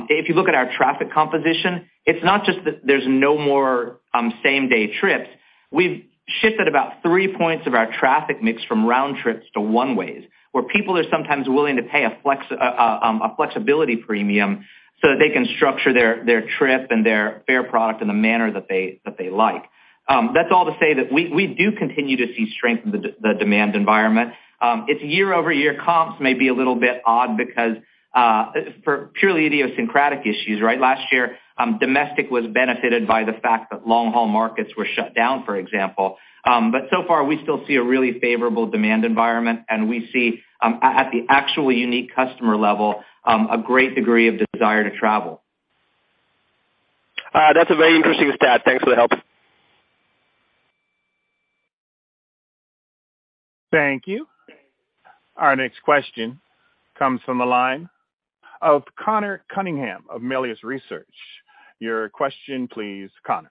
if you look at our traffic composition, it's not just that there's no more same-day trips. We've shifted about three points of our traffic mix from round trips to one-ways, where people are sometimes willing to pay a flexibility premium so that they can structure their trip and their fare product in the manner that they like. That's all to say that we do continue to see strength in the demand environment. It's year-over-year comps may be a little bit odd because for purely idiosyncratic issues, right? Last year, domestic was benefited by the fact that long-haul markets were shut down, for example. So far, we still see a really favorable demand environment, and we see at the actual unique customer level, a great degree of desire to travel. That's a very interesting stat. Thanks for the help. Thank you. Our next question comes from the line of Conor Cunningham of Melius Research. Your question please, Connor.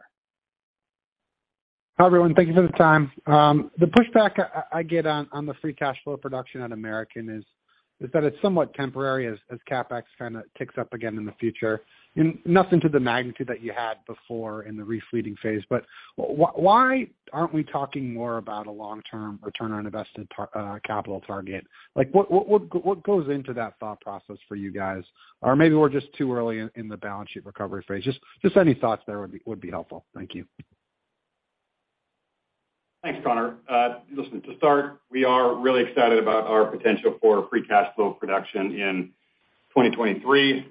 Hi, everyone. Thank you for the time. The pushback I get on the free cash flow production at American is that it's somewhat temporary as CapEx kind of ticks up again in the future, and nothing to the magnitude that you had before in the re-fleeting phase. Why aren't we talking more about a long-term return on invested capital target? Like, what goes into that thought process for you guys? Maybe we're just too early in the balance sheet recovery phase. Just any thoughts there would be helpful. Thank you. Thanks, Conor. Listen, to start, we are really excited about our potential for free cash flow production in 2023.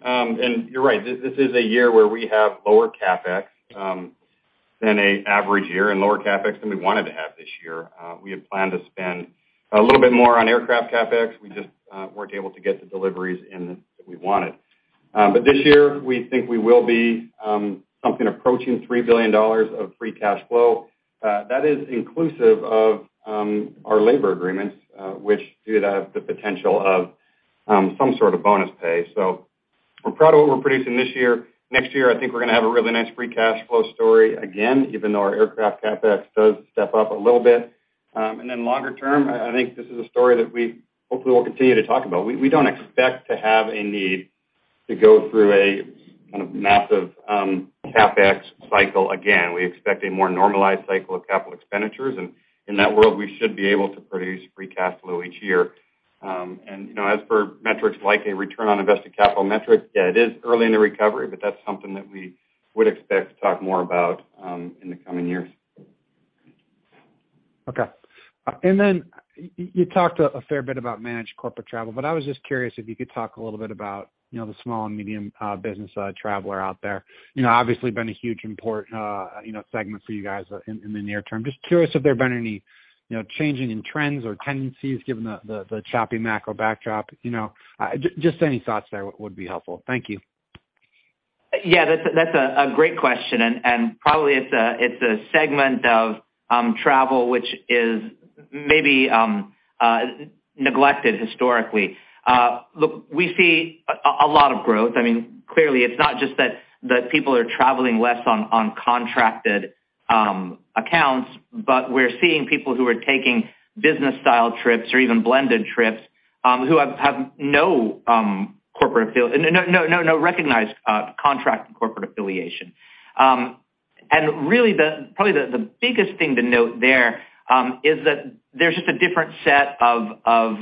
You're right, this is a year where we have lower CapEx than a average year and lower CapEx than we wanted to have this year. We had planned to spend a little bit more on aircraft CapEx. We just weren't able to get the deliveries in that we wanted. This year, we think we will be something approaching $3 billion of free cash flow. That is inclusive of our labor agreements, which do have the potential of some sort of bonus pay. We're proud of what we're producing this year. Next year, I think we're gonna have a really nice free cash flow story again, even though our aircraft CapEx does step up a little bit. Then longer term, I think this is a story that we hopefully will continue to talk about. We don't expect to have a need to go through a kind of massive CapEx cycle again. We expect a more normalized cycle of capital expenditures, and in that world, we should be able to produce free cash flow each year. You know, as for metrics like a return on invested capital metric, yeah, it is early in the recovery, but that's something that we would expect to talk more about in the coming years. Okay. Then you talked a fair bit about managed corporate travel, but I was just curious if you could talk a little bit about, you know, the small and medium business traveler out there. You know, obviously been a huge import, you know, segment for you guys in the near term. Just curious if there have been any, you know, changing in trends or tendencies given the choppy macro backdrop, you know. Just any thoughts there would be helpful. Thank you. Yeah, that's a great question, and probably it's a segment of travel which is maybe neglected historically. Look, we see a lot of growth. I mean, clearly it's not just that people are traveling less on contracted accounts, but we're seeing people who are taking business-style trips or even blended trips who have no recognized contract and corporate affiliation. Really the biggest thing to note there is that there's just a different set of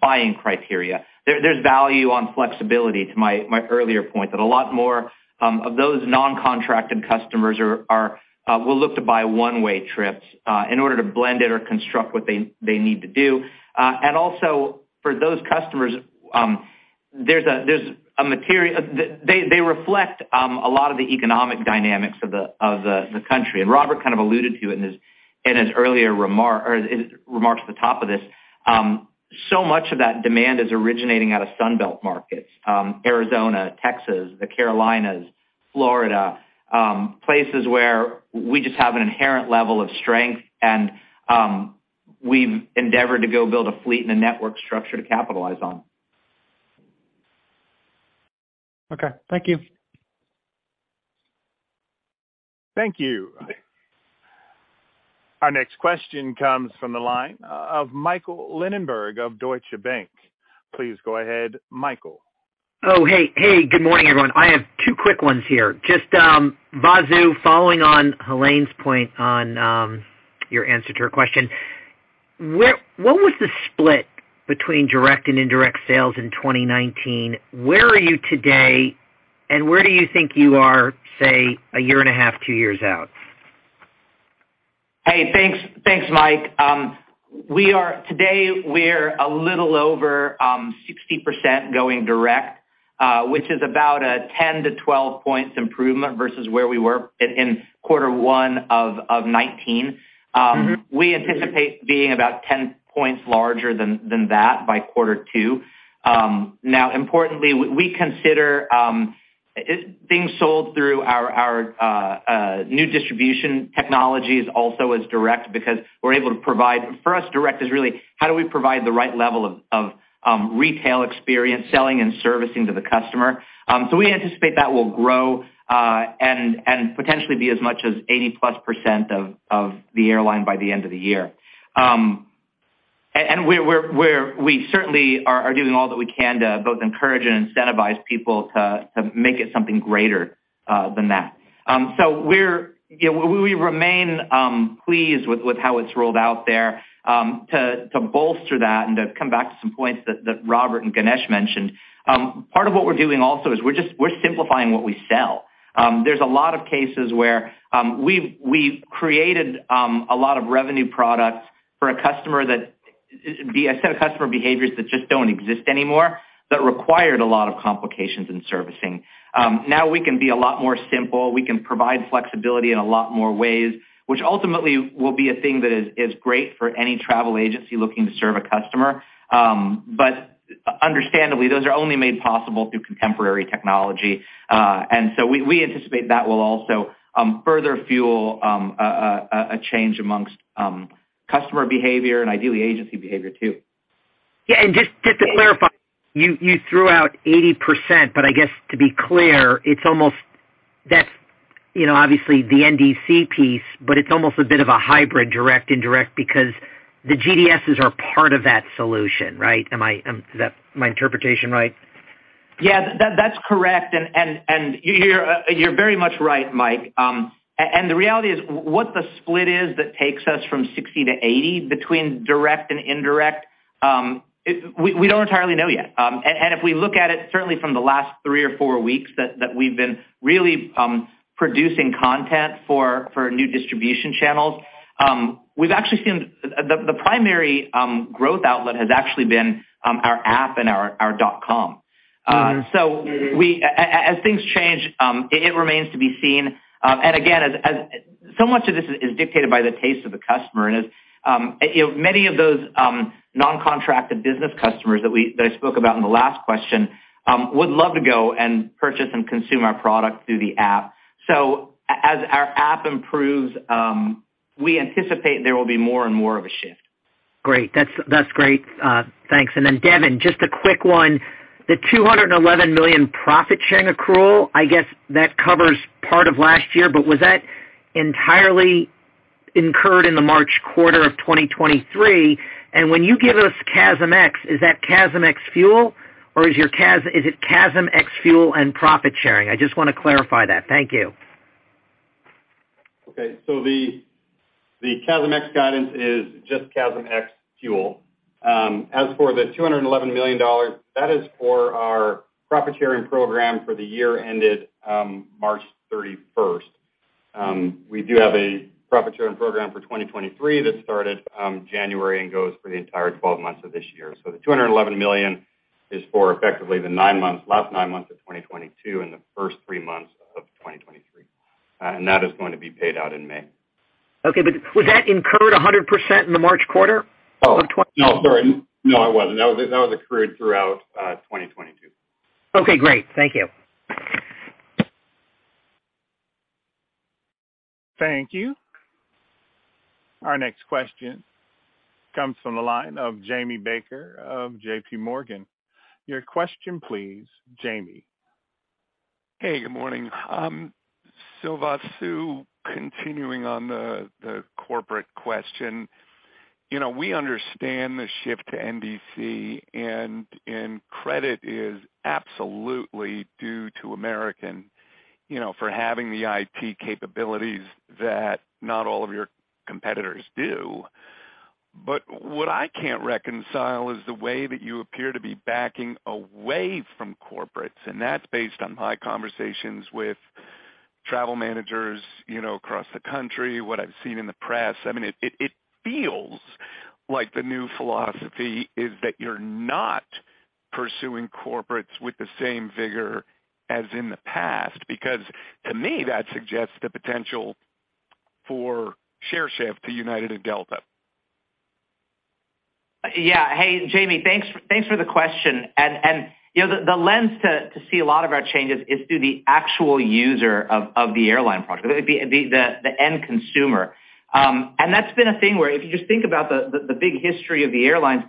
buying criteria. There's value on flexibility to my earlier point, that a lot more of those non-contracted customers will look to buy one-way trips in order to blend it or construct what they need to do. Also for those customers, they reflect a lot of the economic dynamics of the country. Robert kind of alluded to it in his earlier remark or in his remarks at the top of this. Much of that demand is originating out of Sun Belt markets, Arizona, Texas, the Carolinas, Florida, places where we just have an inherent level of strength, and we've endeavored to go build a fleet and a network structure to capitalize on. Okay. Thank you. Thank you. Our next question comes from the line of Michael Linenberg of Deutsche Bank. Please go ahead, Michael. Oh, hey. Hey, good morning, everyone. I have two quick ones here. Just Vasu, following on Helane's point on your answer to her question, what was the split between direct and indirect sales in 2019? Where are you today, and where do you think you are, say, a year and a half, two years out? Hey, thanks. Thanks, Mike. Today we're a little over 60% going direct, which is about a 10-12 points improvement versus where we were in Q1 of 2019. We anticipate being about 10 points larger than that by Q2. Now importantly, we consider it being sold through our new distribution technologies also as direct because we're able to provide for us, direct is really how do we provide the right level of retail experience, selling and servicing to the customer. So we anticipate that will grow and potentially be as much as 80%+ of the airline by the end of the year. We're certainly doing all that we can to both encourage and incentivize people to make it something greater than that. We're, you know, we remain pleased with how it's rolled out there. To bolster that and to come back to some points that Robert and Ganesh mentioned, part of what we're doing also is we're simplifying what we sell. There's a lot of cases where we've created a lot of revenue products for a customer, a set of customer behaviors that just don't exist anymore, that required a lot of complications in servicing. Now we can be a lot more simple. We can provide flexibility in a lot more ways, which ultimately will be a thing that is great for any travel agency looking to serve a customer. Understandably, those are only made possible through contemporary technology. We anticipate that will also further fuel a change amongst customer behavior and ideally agency behavior too. Yeah. Just to clarify, you threw out 80%, I guess to be clear, it's almost that, you know, obviously the NDC piece, it's almost a bit of a hybrid direct, indirect because the GDSs are part of that solution, right? Is that my interpretation right? Yeah. That's correct. You're very much right, Mike. The reality is what the split is that takes us from 60 to 80 between direct and indirect, we don't entirely know yet. If we look at it certainly from the last three or four weeks that we've been really producing content for new distribution channels, we've actually seen the primary growth outlet has actually been our app and our .com. Mm-hmm. As things change, it remains to be seen. Again, as so much of this is dictated by the taste of the customer and is, you know, many of those non-contracted business customers that I spoke about in the last question, would love to go and purchase and consume our product through the app. As our app improves, we anticipate there will be more and more of a shift. Great. That's great. Thanks. Devon, just a quick one. The $211 million profit sharing accrual, I guess that covers part of last year, but was that entirely incurred in the March quarter of 2023? When you give us CASM-ex, is that CASM-ex fuel or is it CASM-ex fuel and profit sharing? I just wanna clarify that. Thank you. The CASM-ex guidance is just CASM-ex fuel. As for the $211 million, that is for our profit sharing program for the year ended March 31st. We do have a profit sharing program for 2023 that started January and goes for the entire 12 months of this year. The $211 million is for effectively the nine months, last nine months of 2022 and the first three months of 2023. That is going to be paid out in May. Okay. Was that incurred 100% in the March quarter. No, sorry. No, it wasn't. That was accrued throughout 2022. Okay, great. Thank you. Thank you. Our next question comes from the line of Jamie Baker of JPMorgan. Your question please, Jamie. Hey, good morning. So, Vasu, continuing on the corporate question. You know, we understand the shift to NDC and credit is absolutely due to American, you know, for having the IT capabilities that not all of your competitors do. What I can't reconcile is the way that you appear to be backing away from corporates, and that's based on my conversations with travel managers, you know, across the country, what I've seen in the press. It feels like the new philosophy is that you're not pursuing corporates with the same vigor as in the past because to me, that suggests the potential for share shift to United and Delta. Yeah. Hey, Jamie, thanks for the question. You know, the lens to see a lot of our changes is through the actual user of the airline product, the end consumer. That's been a thing where if you just think about the big history of the airlines,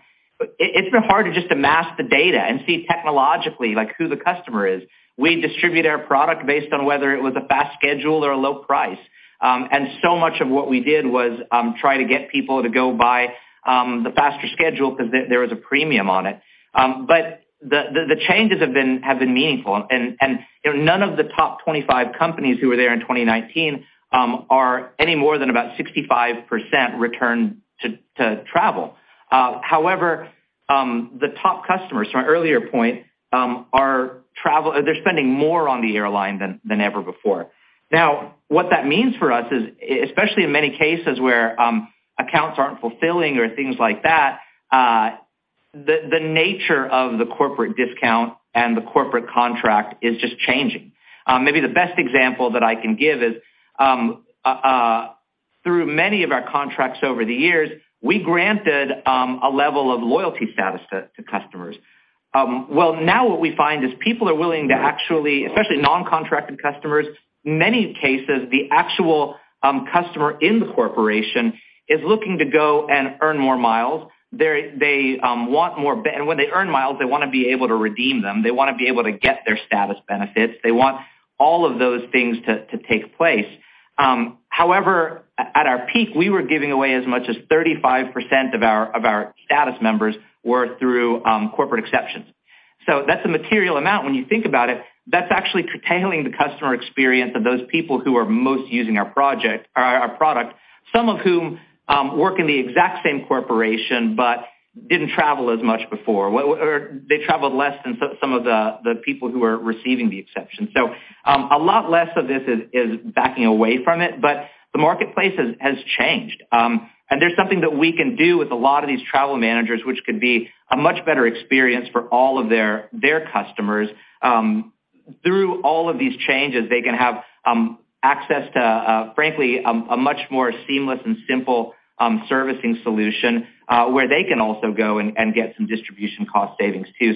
it's been hard to just amass the data and see technologically like who the customer is. We distribute our product based on whether it was a fast schedule or a low price. So much of what we did was try to get people to go buy the faster schedule because there was a premium on it. The changes have been meaningful, and, you know, none of the top 25 companies who were there in 2019 are any more than about 65% return to travel. The top customers from our earlier point are spending more on the airline than ever before. What that means for us is especially in many cases where accounts aren't fulfilling or things like that, the nature of the corporate discount and the corporate contract is just changing. The best example that I can give is, Through many of our contracts over the years, we granted a level of loyalty status to customers. Well, now what we find is people are willing to actually, especially non-contracted customers, in many cases, the actual customer in the corporation is looking to go and earn more miles. They want more and when they earn miles, they wanna be able to redeem them. They wanna be able to get their status benefits, they want all of those things to take place. However, at our peak, we were giving away as much as 35% of our, of our status members were through corporate exceptions. That's a material amount when you think about it. That's actually curtailing the customer experience of those people who are most using our product, some of whom work in the exact same corporation but didn't travel as much before. They traveled less than some of the people who are receiving the exception. A lot less of this is backing away from it, but the marketplace has changed. There's something that we can do with a lot of these travel managers, which could be a much better experience for all of their customers. Through all of these changes, they can have access to, frankly, a much more seamless and simple servicing solution, where they can also go and get some distribution cost savings too.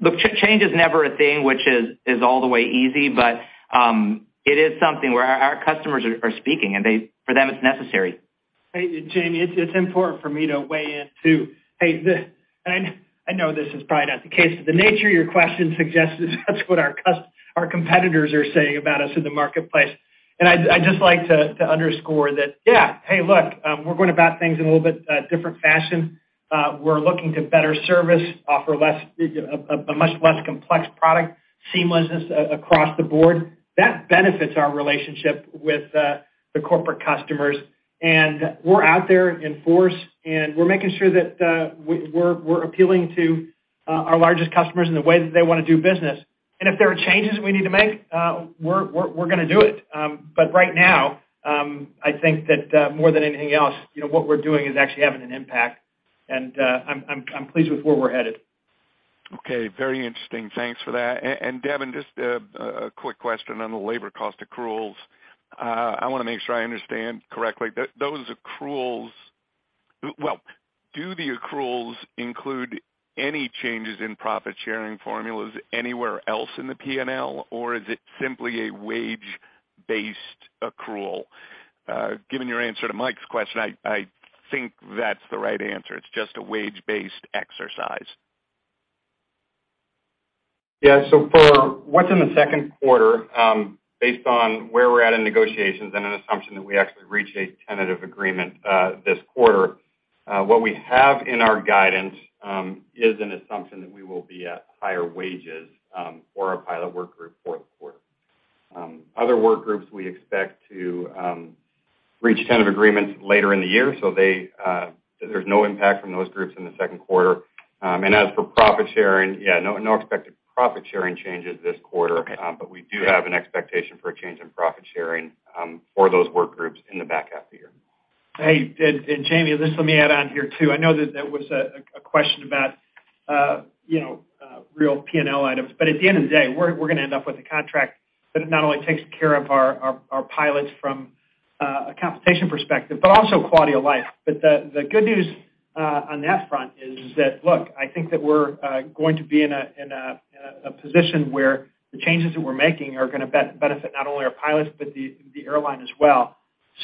Look, change is never a thing which is all the way easy, but it is something where our customers are speaking, and for them, it's necessary. Hey, Jamie, it's important for me to weigh in, too. I know this is probably not the case, but the nature of your question suggests that's what our competitors are saying about us in the marketplace. I'd just like to underscore that, yeah. Look, we're going about things in a little bit different fashion. We're looking to better service, offer a much less complex product, seamlessness across the board. That benefits our relationship with the corporate customers. We're out there in force, and we're making sure that we're appealing to our largest customers in the way that they wanna do business. If there are changes that we need to make, we're gonna do it. Right now, I think that, more than anything else, you know, what we're doing is actually having an impact. I'm pleased with where we're headed. Okay, very interesting. Thanks for that. Devon, just a quick question on the labor cost accruals. I wanna make sure I understand correctly. Those accruals, well, do the accruals include any changes in profit-sharing formulas anywhere else in the P&L, or is it simply a wage-based accrual? Given your answer to Mike's question, I think that's the right answer. It's just a wage-based exercise. Yeah. For what's in the second quarter, based on where we're at in negotiations and an assumption that we actually reach a tentative agreement, this quarter, what we have in our guidance, is an assumption that we will be at higher wages, for our pilot work group for the quarter. Other work groups we expect to reach tentative agreements later in the year, so they, there's no impact from those groups in the second quarter. As for profit sharing, yeah, no expected profit sharing changes this quarter. Okay. We do have an expectation for a change in profit sharing for those work groups in the back half of the year. Hey, Jamie, just let me add on here, too. I know that that was a question about, you know, real P&L items, at the end of the day, we're gonna end up with a contract that not only takes care of our pilots from a compensation perspective, but also quality of life. The good news on that front is that, look, I think that we're going to be in a position where the changes that we're making are gonna benefit not only our pilots, but the airline as well.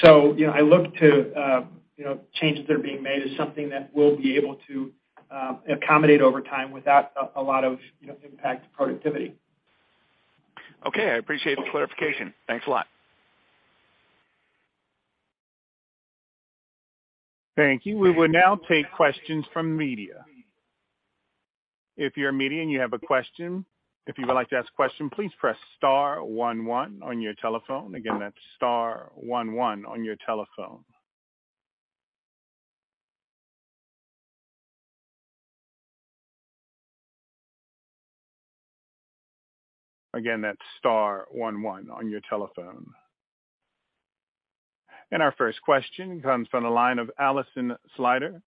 You know, I look to, you know, changes that are being made as something that we'll be able to accommodate over time without a lot of, you know, impact to productivity. Okay. I appreciate the clarification. Thanks a lot. Thank you. We will now take questions from media. If you're media and you have a question, if you would like to ask a question, please press star one one on your telephone. Again, that's star one one on your telephone. Again, that's star one one on your telephone. Our first question comes from the line of Alison Sider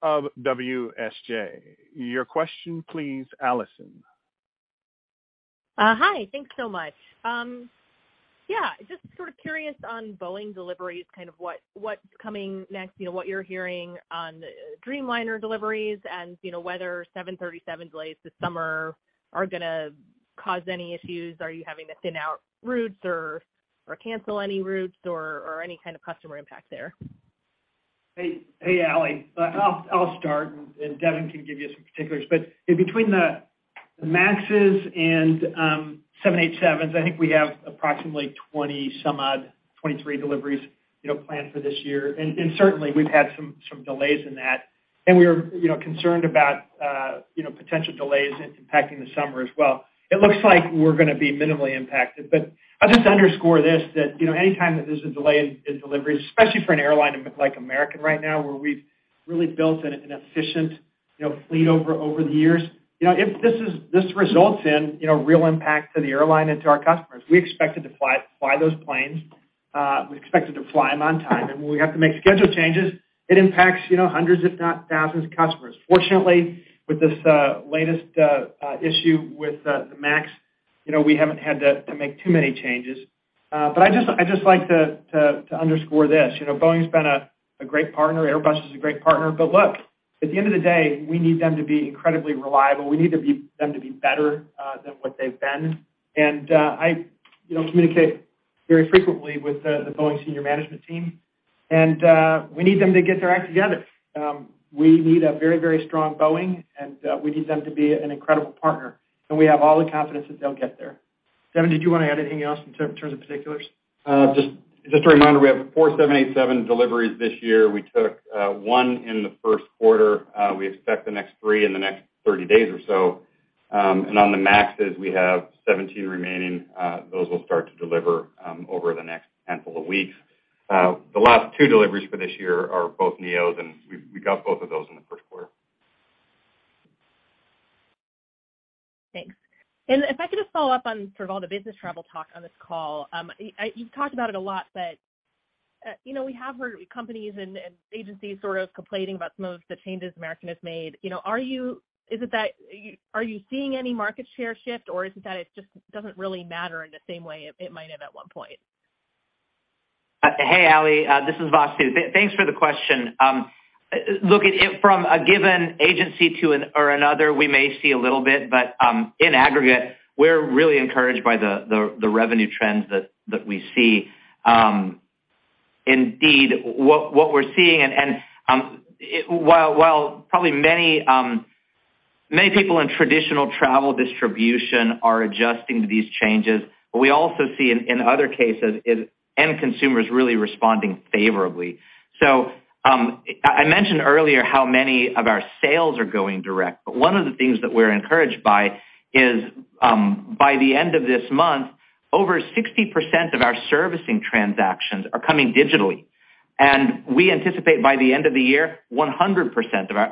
of WSJ. Your question please, Alison. Hi. Thanks so much. Yeah, just sort of curious on Boeing deliveries, kind of what's coming next, you know, what you're hearing on Dreamliner deliveries and, you know, whether 737 delays this summer are gonna cause any issues. Are you having to thin out routes or cancel any routes or any kind of customer impact there? Hey, Ali. I'll start and Devon can give you some particulars. Between the MAXes and 787s, I think we have approximately 20 some odd, 23 deliveries, you know, planned for this year. Certainly we've had some delays in that. We're, you know, concerned about, you know, potential delays impacting the summer as well. It looks like we're gonna be minimally impacted. I'll just underscore this, that, you know, anytime that there's a delay in deliveries, especially for an airline like American right now, where we've really built an efficient, you know, fleet over the years. You know, this results in, you know, real impact to the airline and to our customers. We expect to fly those planes. We expect to fly them on time. When we have to make schedule changes, it impacts, you know, hundreds, if not thousands of customers. Fortunately, with this latest issue with the MAX. You know, we haven't had to make too many changes. I'd just, I just like to underscore this, you know, Boeing's been a great partner. Airbus is a great partner. Look, at the end of the day, we need them to be incredibly reliable. We need them to be better than what they've been. I, you know, communicate very frequently with the Boeing senior management team, and we need them to get their act together. We need a very, very strong Boeing, and we need them to be an incredible partner, and we have all the confidence that they'll get there. Devon, did you wanna add anything else in terms of particulars? Just a reminder, we have four 787 deliveries this year. We took one in the first quarter. We expect the next three in the next 30 days or so. On the MAXs we have 17 remaining, those will start to deliver over the next handful of weeks. The last two deliveries for this year are both NEOs, we got both of those in the first quarter. Thanks. If I could just follow up on sort of all the business travel talk on this call. You've talked about it a lot, but, you know, we have heard companies and agencies sort of complaining about some of the changes American has made. You know, are you seeing any market share shift, or is it that it just doesn't really matter in the same way it might have at one point? Hey, Ali, this is Vasu. Thanks for the question. Look, from a given agency to or another, we may see a little bit, but in aggregate, we're really encouraged by the revenue trends that we see. Indeed, what we're seeing and while probably many people in traditional travel distribution are adjusting to these changes, but we also see in other cases is end consumers really responding favorably. I mentioned earlier how many of our sales are going direct, but one of the things that we're encouraged by is by the end of this month, over 60% of our servicing transactions are coming digitally. We anticipate by the end of the year, 100%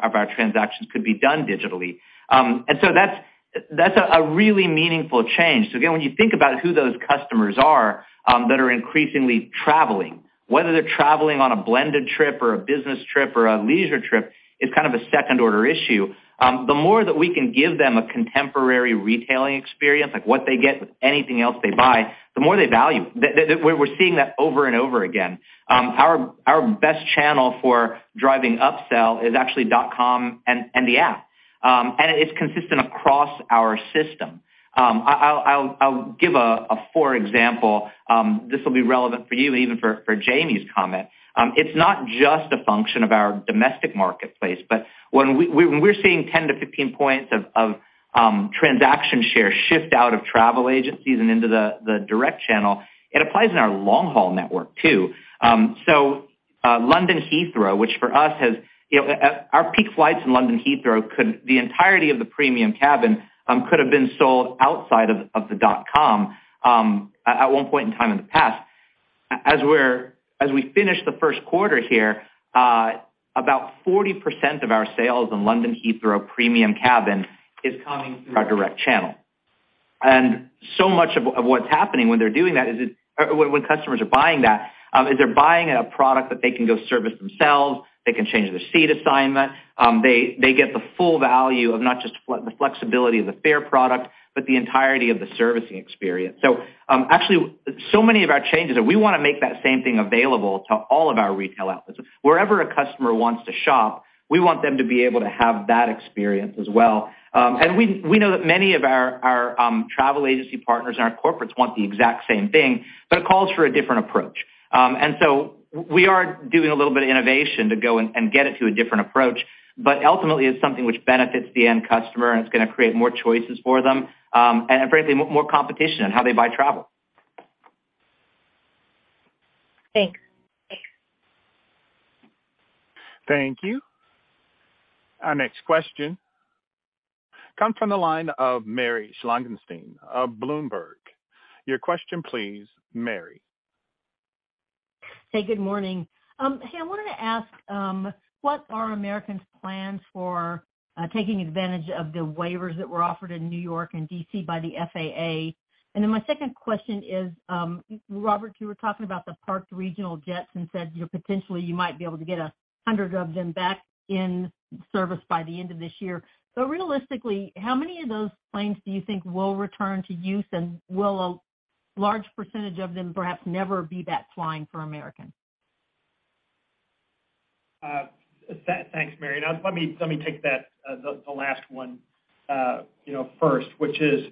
of our transactions could be done digitally. That's a really meaningful change. Again, when you think about who those customers are, that are increasingly traveling, whether they're traveling on a blended trip or a business trip or a leisure trip, it's kind of a second order issue. The more that we can give them a contemporary retailing experience, like what they get with anything else they buy, the more they value. We're seeing that over and over again. Our best channel for driving upsell is actually .com and the app, and it's consistent across our system. I'll give a for example, this will be relevant for you and even for Jamie's comment. It's not just a function of our domestic marketplace, but when we're seeing 10-15 points of transaction share shift out of travel agencies and into the direct channel, it applies in our long haul network too. London Heathrow, which for us has, you know, at our peak flights in London Heathrow the entirety of the premium cabin could have been sold outside of the dot com at one point in time in the past. As we finish the first quarter here, about 40% of our sales in London Heathrow premium cabin is coming through our direct channel. So much of what's happening when they're doing that or when customers are buying that, is they're buying a product that they can go service themselves, they can change their seat assignment. They get the full value of not just the flexibility of the fare product, but the entirety of the servicing experience. Actually so many of our changes are we wanna make that same thing available to all of our retail outlets. Wherever a customer wants to shop, we want them to be able to have that experience as well. We know that many of our travel agency partners and our corporates want the exact same thing, but it calls for a different approach. We are doing a little bit of innovation to go and get it to a different approach. Ultimately, it's something which benefits the end customer, and it's gonna create more choices for them, and frankly, more competition on how they buy travel. Thanks. Thank you. Our next question come from the line of Mary Schlangenstein of Bloomberg. Your question please, Mary. Hey, good morning. Hey, I wanted to ask, what are American's plans for taking advantage of the waivers that were offered in New York and D.C. by the FAA? My second question is, Robert, you were talking about the parked regional jets and said, you know, potentially you might be able to get 100 of them back in service by the end of this year. Realistically, how many of those planes do you think will return to use, and will a large percentage of them perhaps never be that flying for American? thanks, Mary. Let me take that, the last one, you know, first, which is,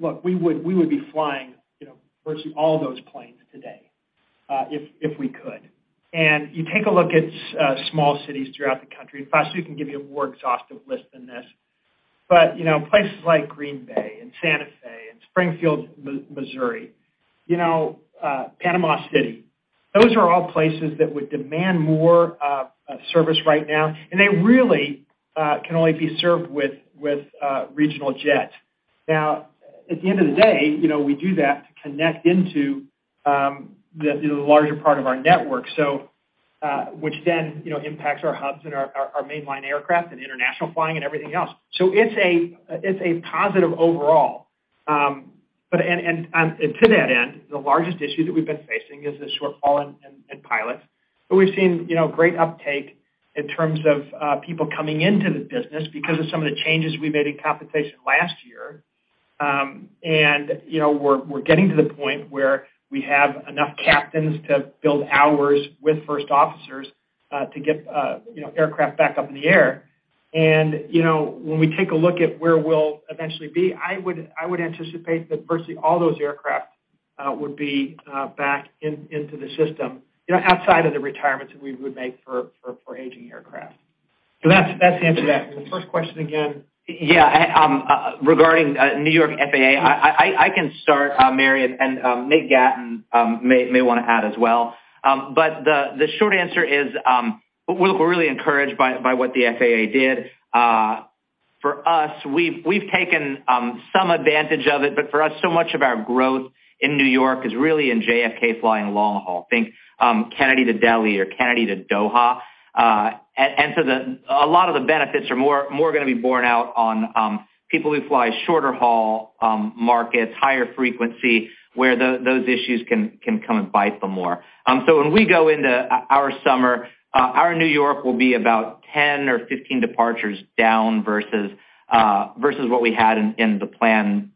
look, we would be flying, you know, virtually all those planes today, if we could. You take a look at small cities throughout the country, Vasu can give you a more exhaustive list than this. You know, places like Green Bay and Santa Fe and Springfield, Missouri, you know, Panama City, those are all places that would demand more service right now, and they really can only be served with regional jet. At the end of the day, you know, we do that to connect into the larger part of our network, which then, you know, impacts our hubs and our mainline aircraft and international flying and everything else. It's a positive overall. To that end, the largest issue that we've been facing is the shortfall in pilots. We've seen, you know, great uptake in terms of people coming into the business because of some of the changes we made in compensation last year. You know, we're getting to the point where we have enough captains to build hours with first officers to get, you know, aircraft back up in the air. You know, when we take a look at where we'll eventually be, I anticipate that firstly, all those aircraft would be back into the system, you know, outside of the retirements that we would make for aging aircraft. That's the answer to that. The first question again? Yeah. Regarding New York FAA, I can start, Mary, and Nate Gatten may wanna add as well. But the short answer is, we're really encouraged by what the FAA did. For us, we've taken some advantage of it, but for us, so much of our growth in New York is really in JFK flying long-haul. Think Kennedy to Delhi or Kennedy to Doha. A lot of the benefits are gonna be borne out on people who fly shorter-haul markets, higher frequency, where those issues can come and bite them more. When we go into our summer, our New York will be about 10 or 15 departures down versus what we had in the plan,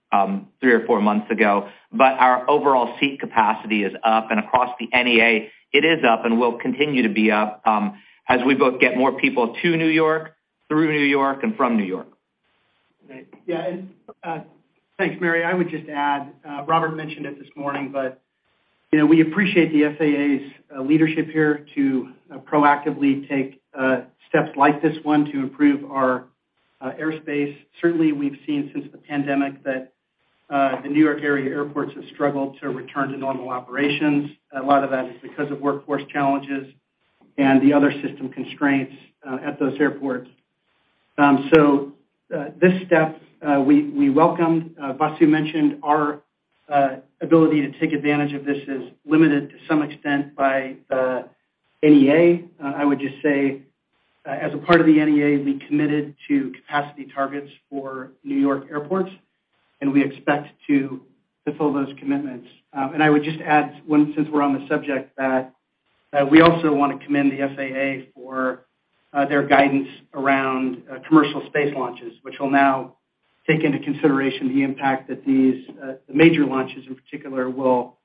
three or four months ago. Our overall seat capacity is up and across the NEA, it is up and will continue to be up, as we both get more people to New York, through New York, and from New York. Great. Yeah. Thanks, Mary. I would just add, Robert mentioned it this morning, but, you know, we appreciate the FAA's leadership here to proactively take steps like this one to improve our airspace. Certainly, we've seen since the pandemic that the New York area airports have struggled to return to normal operations. A lot of that is because of workforce challenges and the other system constraints at those airports. This step, we welcome. Vasu mentioned our ability to take advantage of this is limited to some extent by the NEA. I would just say, as a part of the NEA, we committed to capacity targets for New York airports, and we expect to fulfill those commitments. I would just add one, since we're on the subject, that we also wanna commend the FAA for their guidance around commercial space launches, which will now take into consideration the impact that these, the major launches in particular will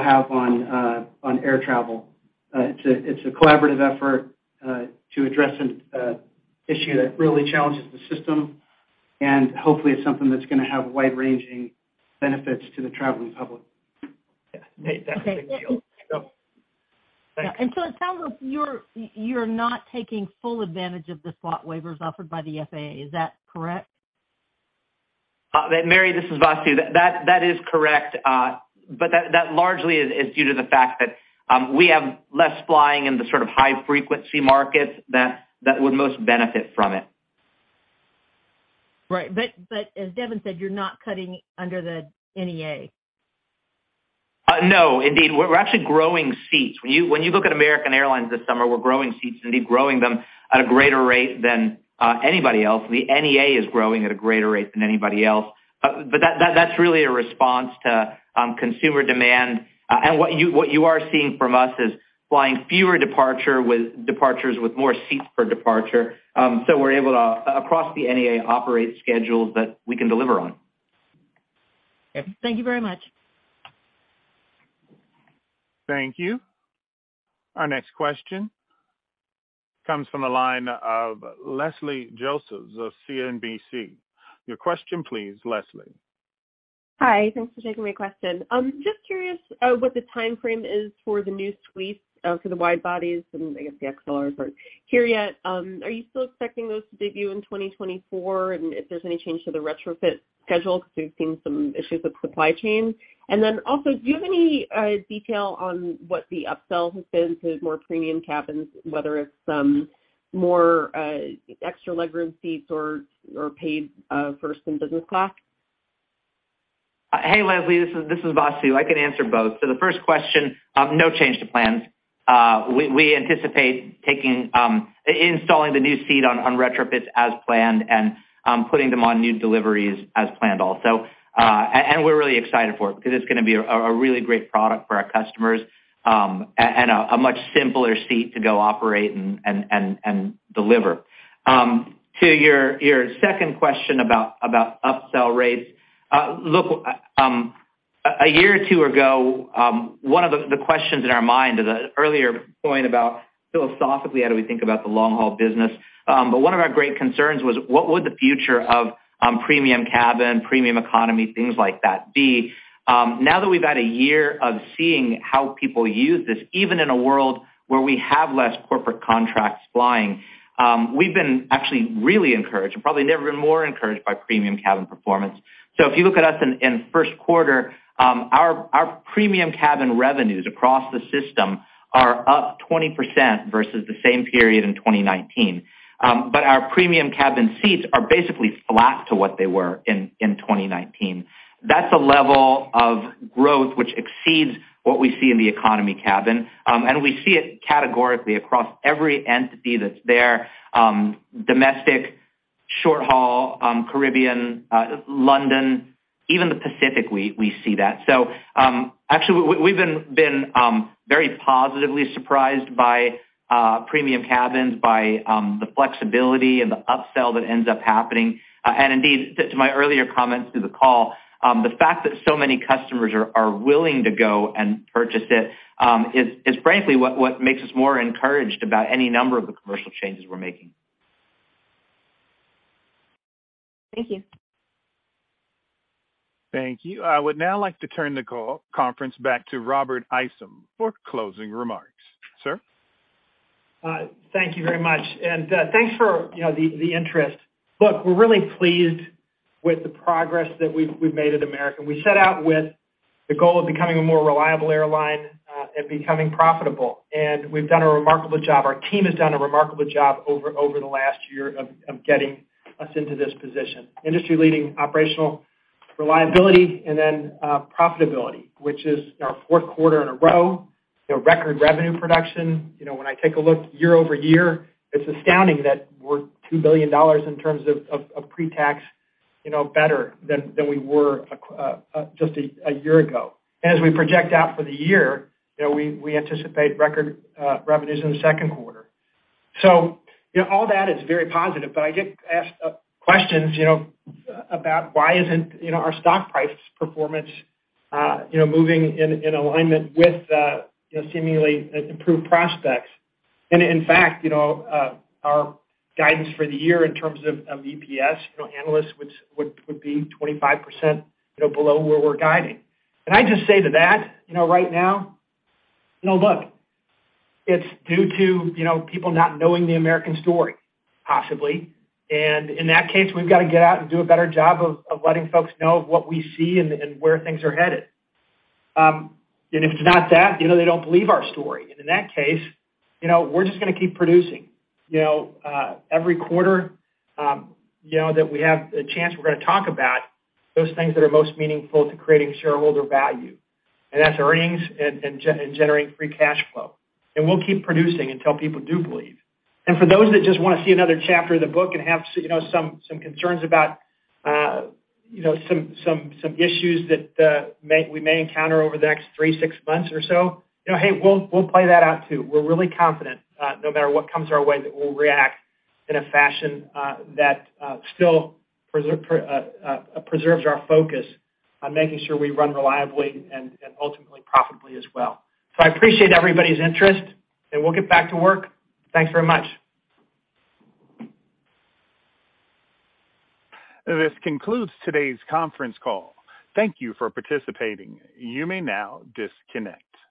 have on air travel. It's a collaborative effort to address an issue that really challenges the system, and hopefully it's something that's gonna have wide-ranging benefits to the traveling public. Yeah. Nate, that's a big deal. Thank you. Yeah. It sounds like you're not taking full advantage of the slot waivers offered by the FAA. Is that correct? Mary, this is Vasu. That is correct. That largely is due to the fact that, we have less flying in the sort of high-frequency markets that would most benefit from it. Right. As Devon said, you're not cutting under the NEA. No, indeed. We're actually growing seats. When you look at American Airlines this summer, we're growing seats and indeed growing them at a greater rate than anybody else. The NEA is growing at a greater rate than anybody else. That, that's really a response to consumer demand. What you are seeing from us is flying fewer departures with more seats per departure. We're able to across the NEA, operate schedules that we can deliver on. Thank you very much. Thank you. Our next question comes from the line of Leslie Josephs of CNBC. Your question, please, Leslie. Hi. Thanks for taking my question. Just curious what the timeframe is for the new suites for the wide bodies, and I guess the XLRs aren't here yet. Are you still expecting those to debut in 2024? If there's any change to the retrofit schedule because we've seen some issues with supply chain? Also, do you have any detail on what the upsell has been to more premium cabins, whether it's some more extra legroom seats or paid first and business class? Hey, Leslie, this is Vasu. I can answer both. The first question, no change to plans. We anticipate taking installing the new seat on retrofits as planned and putting them on new deliveries as planned also. And we're really excited for it because it's gonna be a really great product for our customers, and a much simpler seat to go operate and deliver. To your second question about upsell rates. Look, a year or 2 ago, one of the questions in our mind, the earlier point about philosophically, how do we think about the long-haul business? One of our great concerns was, what would the future of premium cabin, premium economy, things like that be? Now that we've had a year of seeing how people use this, even in a world where we have less corporate contracts flying, we've been actually really encouraged and probably never been more encouraged by premium cabin performance. If you look at us in first quarter, our premium cabin revenues across the system are up 20% versus the same period in 2019. Our premium cabin seats are basically flat to what they were in 2019. That's a level of growth which exceeds what we see in the economy cabin. We see it categorically across every entity that's there, domestic Short haul, Caribbean, London, even the Pacific, we see that. Actually we've been very positively surprised by premium cabins by the flexibility and the upsell that ends up happening. Indeed, to my earlier comments through the call, the fact that so many customers are willing to go and purchase it, is frankly what makes us more encouraged about any number of the commercial changes we're making. Thank you. Thank you. I would now like to turn the call conference back to Robert Isom for closing remarks. Sir? Thank you very much. Thanks for, you know, the interest. Look, we're really pleased with the progress that we've made at American. We set out with the goal of becoming a more reliable airline and becoming profitable, and we've done a remarkable job. Our team has done a remarkable job over the last year of getting us into this position. Industry-leading operational reliability and then profitability, which is our fourth quarter in a row. You know, record revenue production. You know, when I take a look year-over-year, it's astounding that we're $2 billion in terms of pre-tax, you know, better than we were just a year ago. As we project out for the year, you know, we anticipate record revenues in the second quarter. You know, all that is very positive, but I get asked questions, you know, about why isn't, you know, our stock price performance, you know, moving in alignment with, you know, seemingly improved prospects. In fact, you know, our guidance for the year in terms of EPS, you know, analysts, which would be 25%, you know, below where we're guiding. I just say to that, you know, right now, you know, look, it's due to, you know, people not knowing the American story, possibly. In that case, we've got to get out and do a better job of letting folks know what we see and where things are headed. If it's not that, you know, they don't believe our story. In that case, you know, we're just gonna keep producing. You know, every quarter, you know, that we have a chance, we're gonna talk about those things that are most meaningful to creating shareholder value. That's earnings and generating free cash flow. We'll keep producing until people do believe. For those that just wanna see another chapter of the book and have you know, some concerns about, you know, some issues that we may encounter over the next 3-6 months or so, you know, hey, we'll play that out too. We're really confident, no matter what comes our way, that we'll react in a fashion that still preserves our focus on making sure we run reliably and ultimately profitably as well. I appreciate everybody's interest, and we'll get back to work. Thanks very much. This concludes today's conference call. Thank you for participating. You may now disconnect.